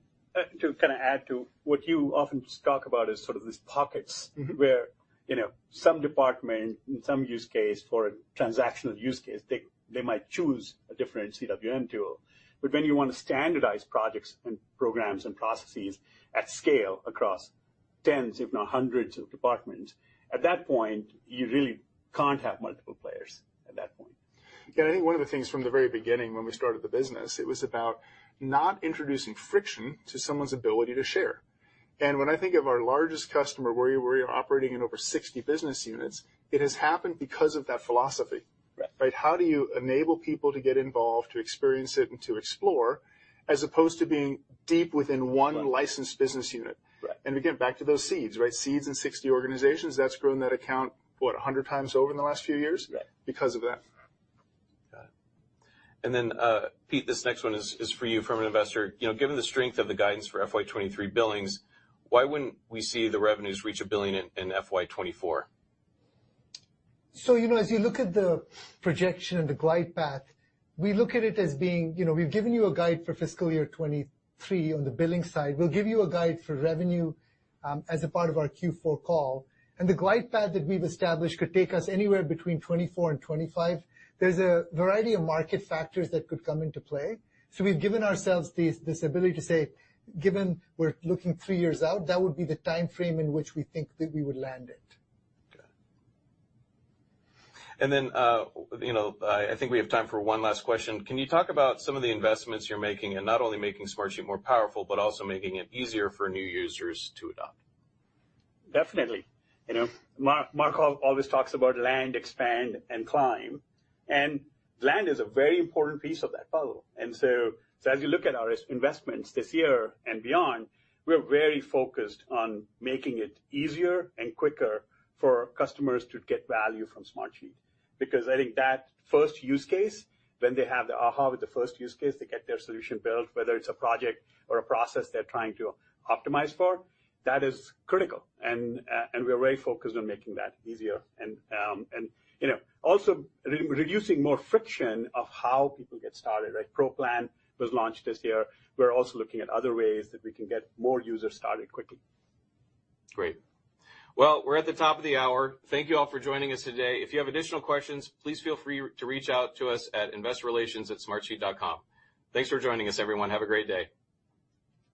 To kinda add to what you often talk about is sort of these pockets. Mm-hmm where You know, some department in some use case for a transactional use case, they might choose a different CWM tool. When you wanna standardize projects and programs and processes at scale across tens if not hundreds of departments, at that point, you really can't have multiple players at that point. I think one of the things from the very beginning when we started the business, it was about not introducing friction to someone's ability to share. When I think of our largest customer, where you're operating in over 60 business units, it has happened because of that philosophy. Right. Right? How do you enable people to get involved, to experience it, and to explore, as opposed to being deep within one licensed business unit? Right. Again, back to those seeds, right? Seeds in 60 organizations, that's grown that account, what? 100 times over in the last few years. Right because of that. Got it. Pete, this next one is for you from an investor. You know, given the strength of the guidance for FY 2023 billings, why wouldn't we see the revenues reach $1 billion in FY 2024? You know, as you look at the projection and the glide path, we look at it as being, you know, we've given you a guide for fiscal year 2023 on the billing side. We'll give you a guide for revenue, as a part of our Q4 call. The glide path that we've established could take us anywhere between 2024 and 2025. There's a variety of market factors that could come into play, so we've given ourselves this ability to say, Given we're looking three years out, that would be the timeframe in which we think that we would land it. Okay. You know, I think we have time for one last question. Can you talk about some of the investments you're making, and not only making Smartsheet more powerful, but also making it easier for new users to adopt? Definitely. You know, Mark always talks about land, expand, and climb. Land is a very important piece of that puzzle. As you look at our investments this year and beyond, we're very focused on making it easier and quicker for customers to get value from Smartsheet, because I think that first use case, when they have the aha with the first use case to get their solution built, whether it's a project or a process they're trying to optimize for, that is critical. We are very focused on making that easier. You know, also reducing more friction of how people get started, like Pro Plan was launched this year. We're also looking at other ways that we can get more users started quickly. Great. Well, we're at the top of the hour. Thank you all for joining us today. If you have additional questions, please feel free to reach out to us at investorrelations@smartsheet.com. Thanks for joining us, everyone. Have a great day.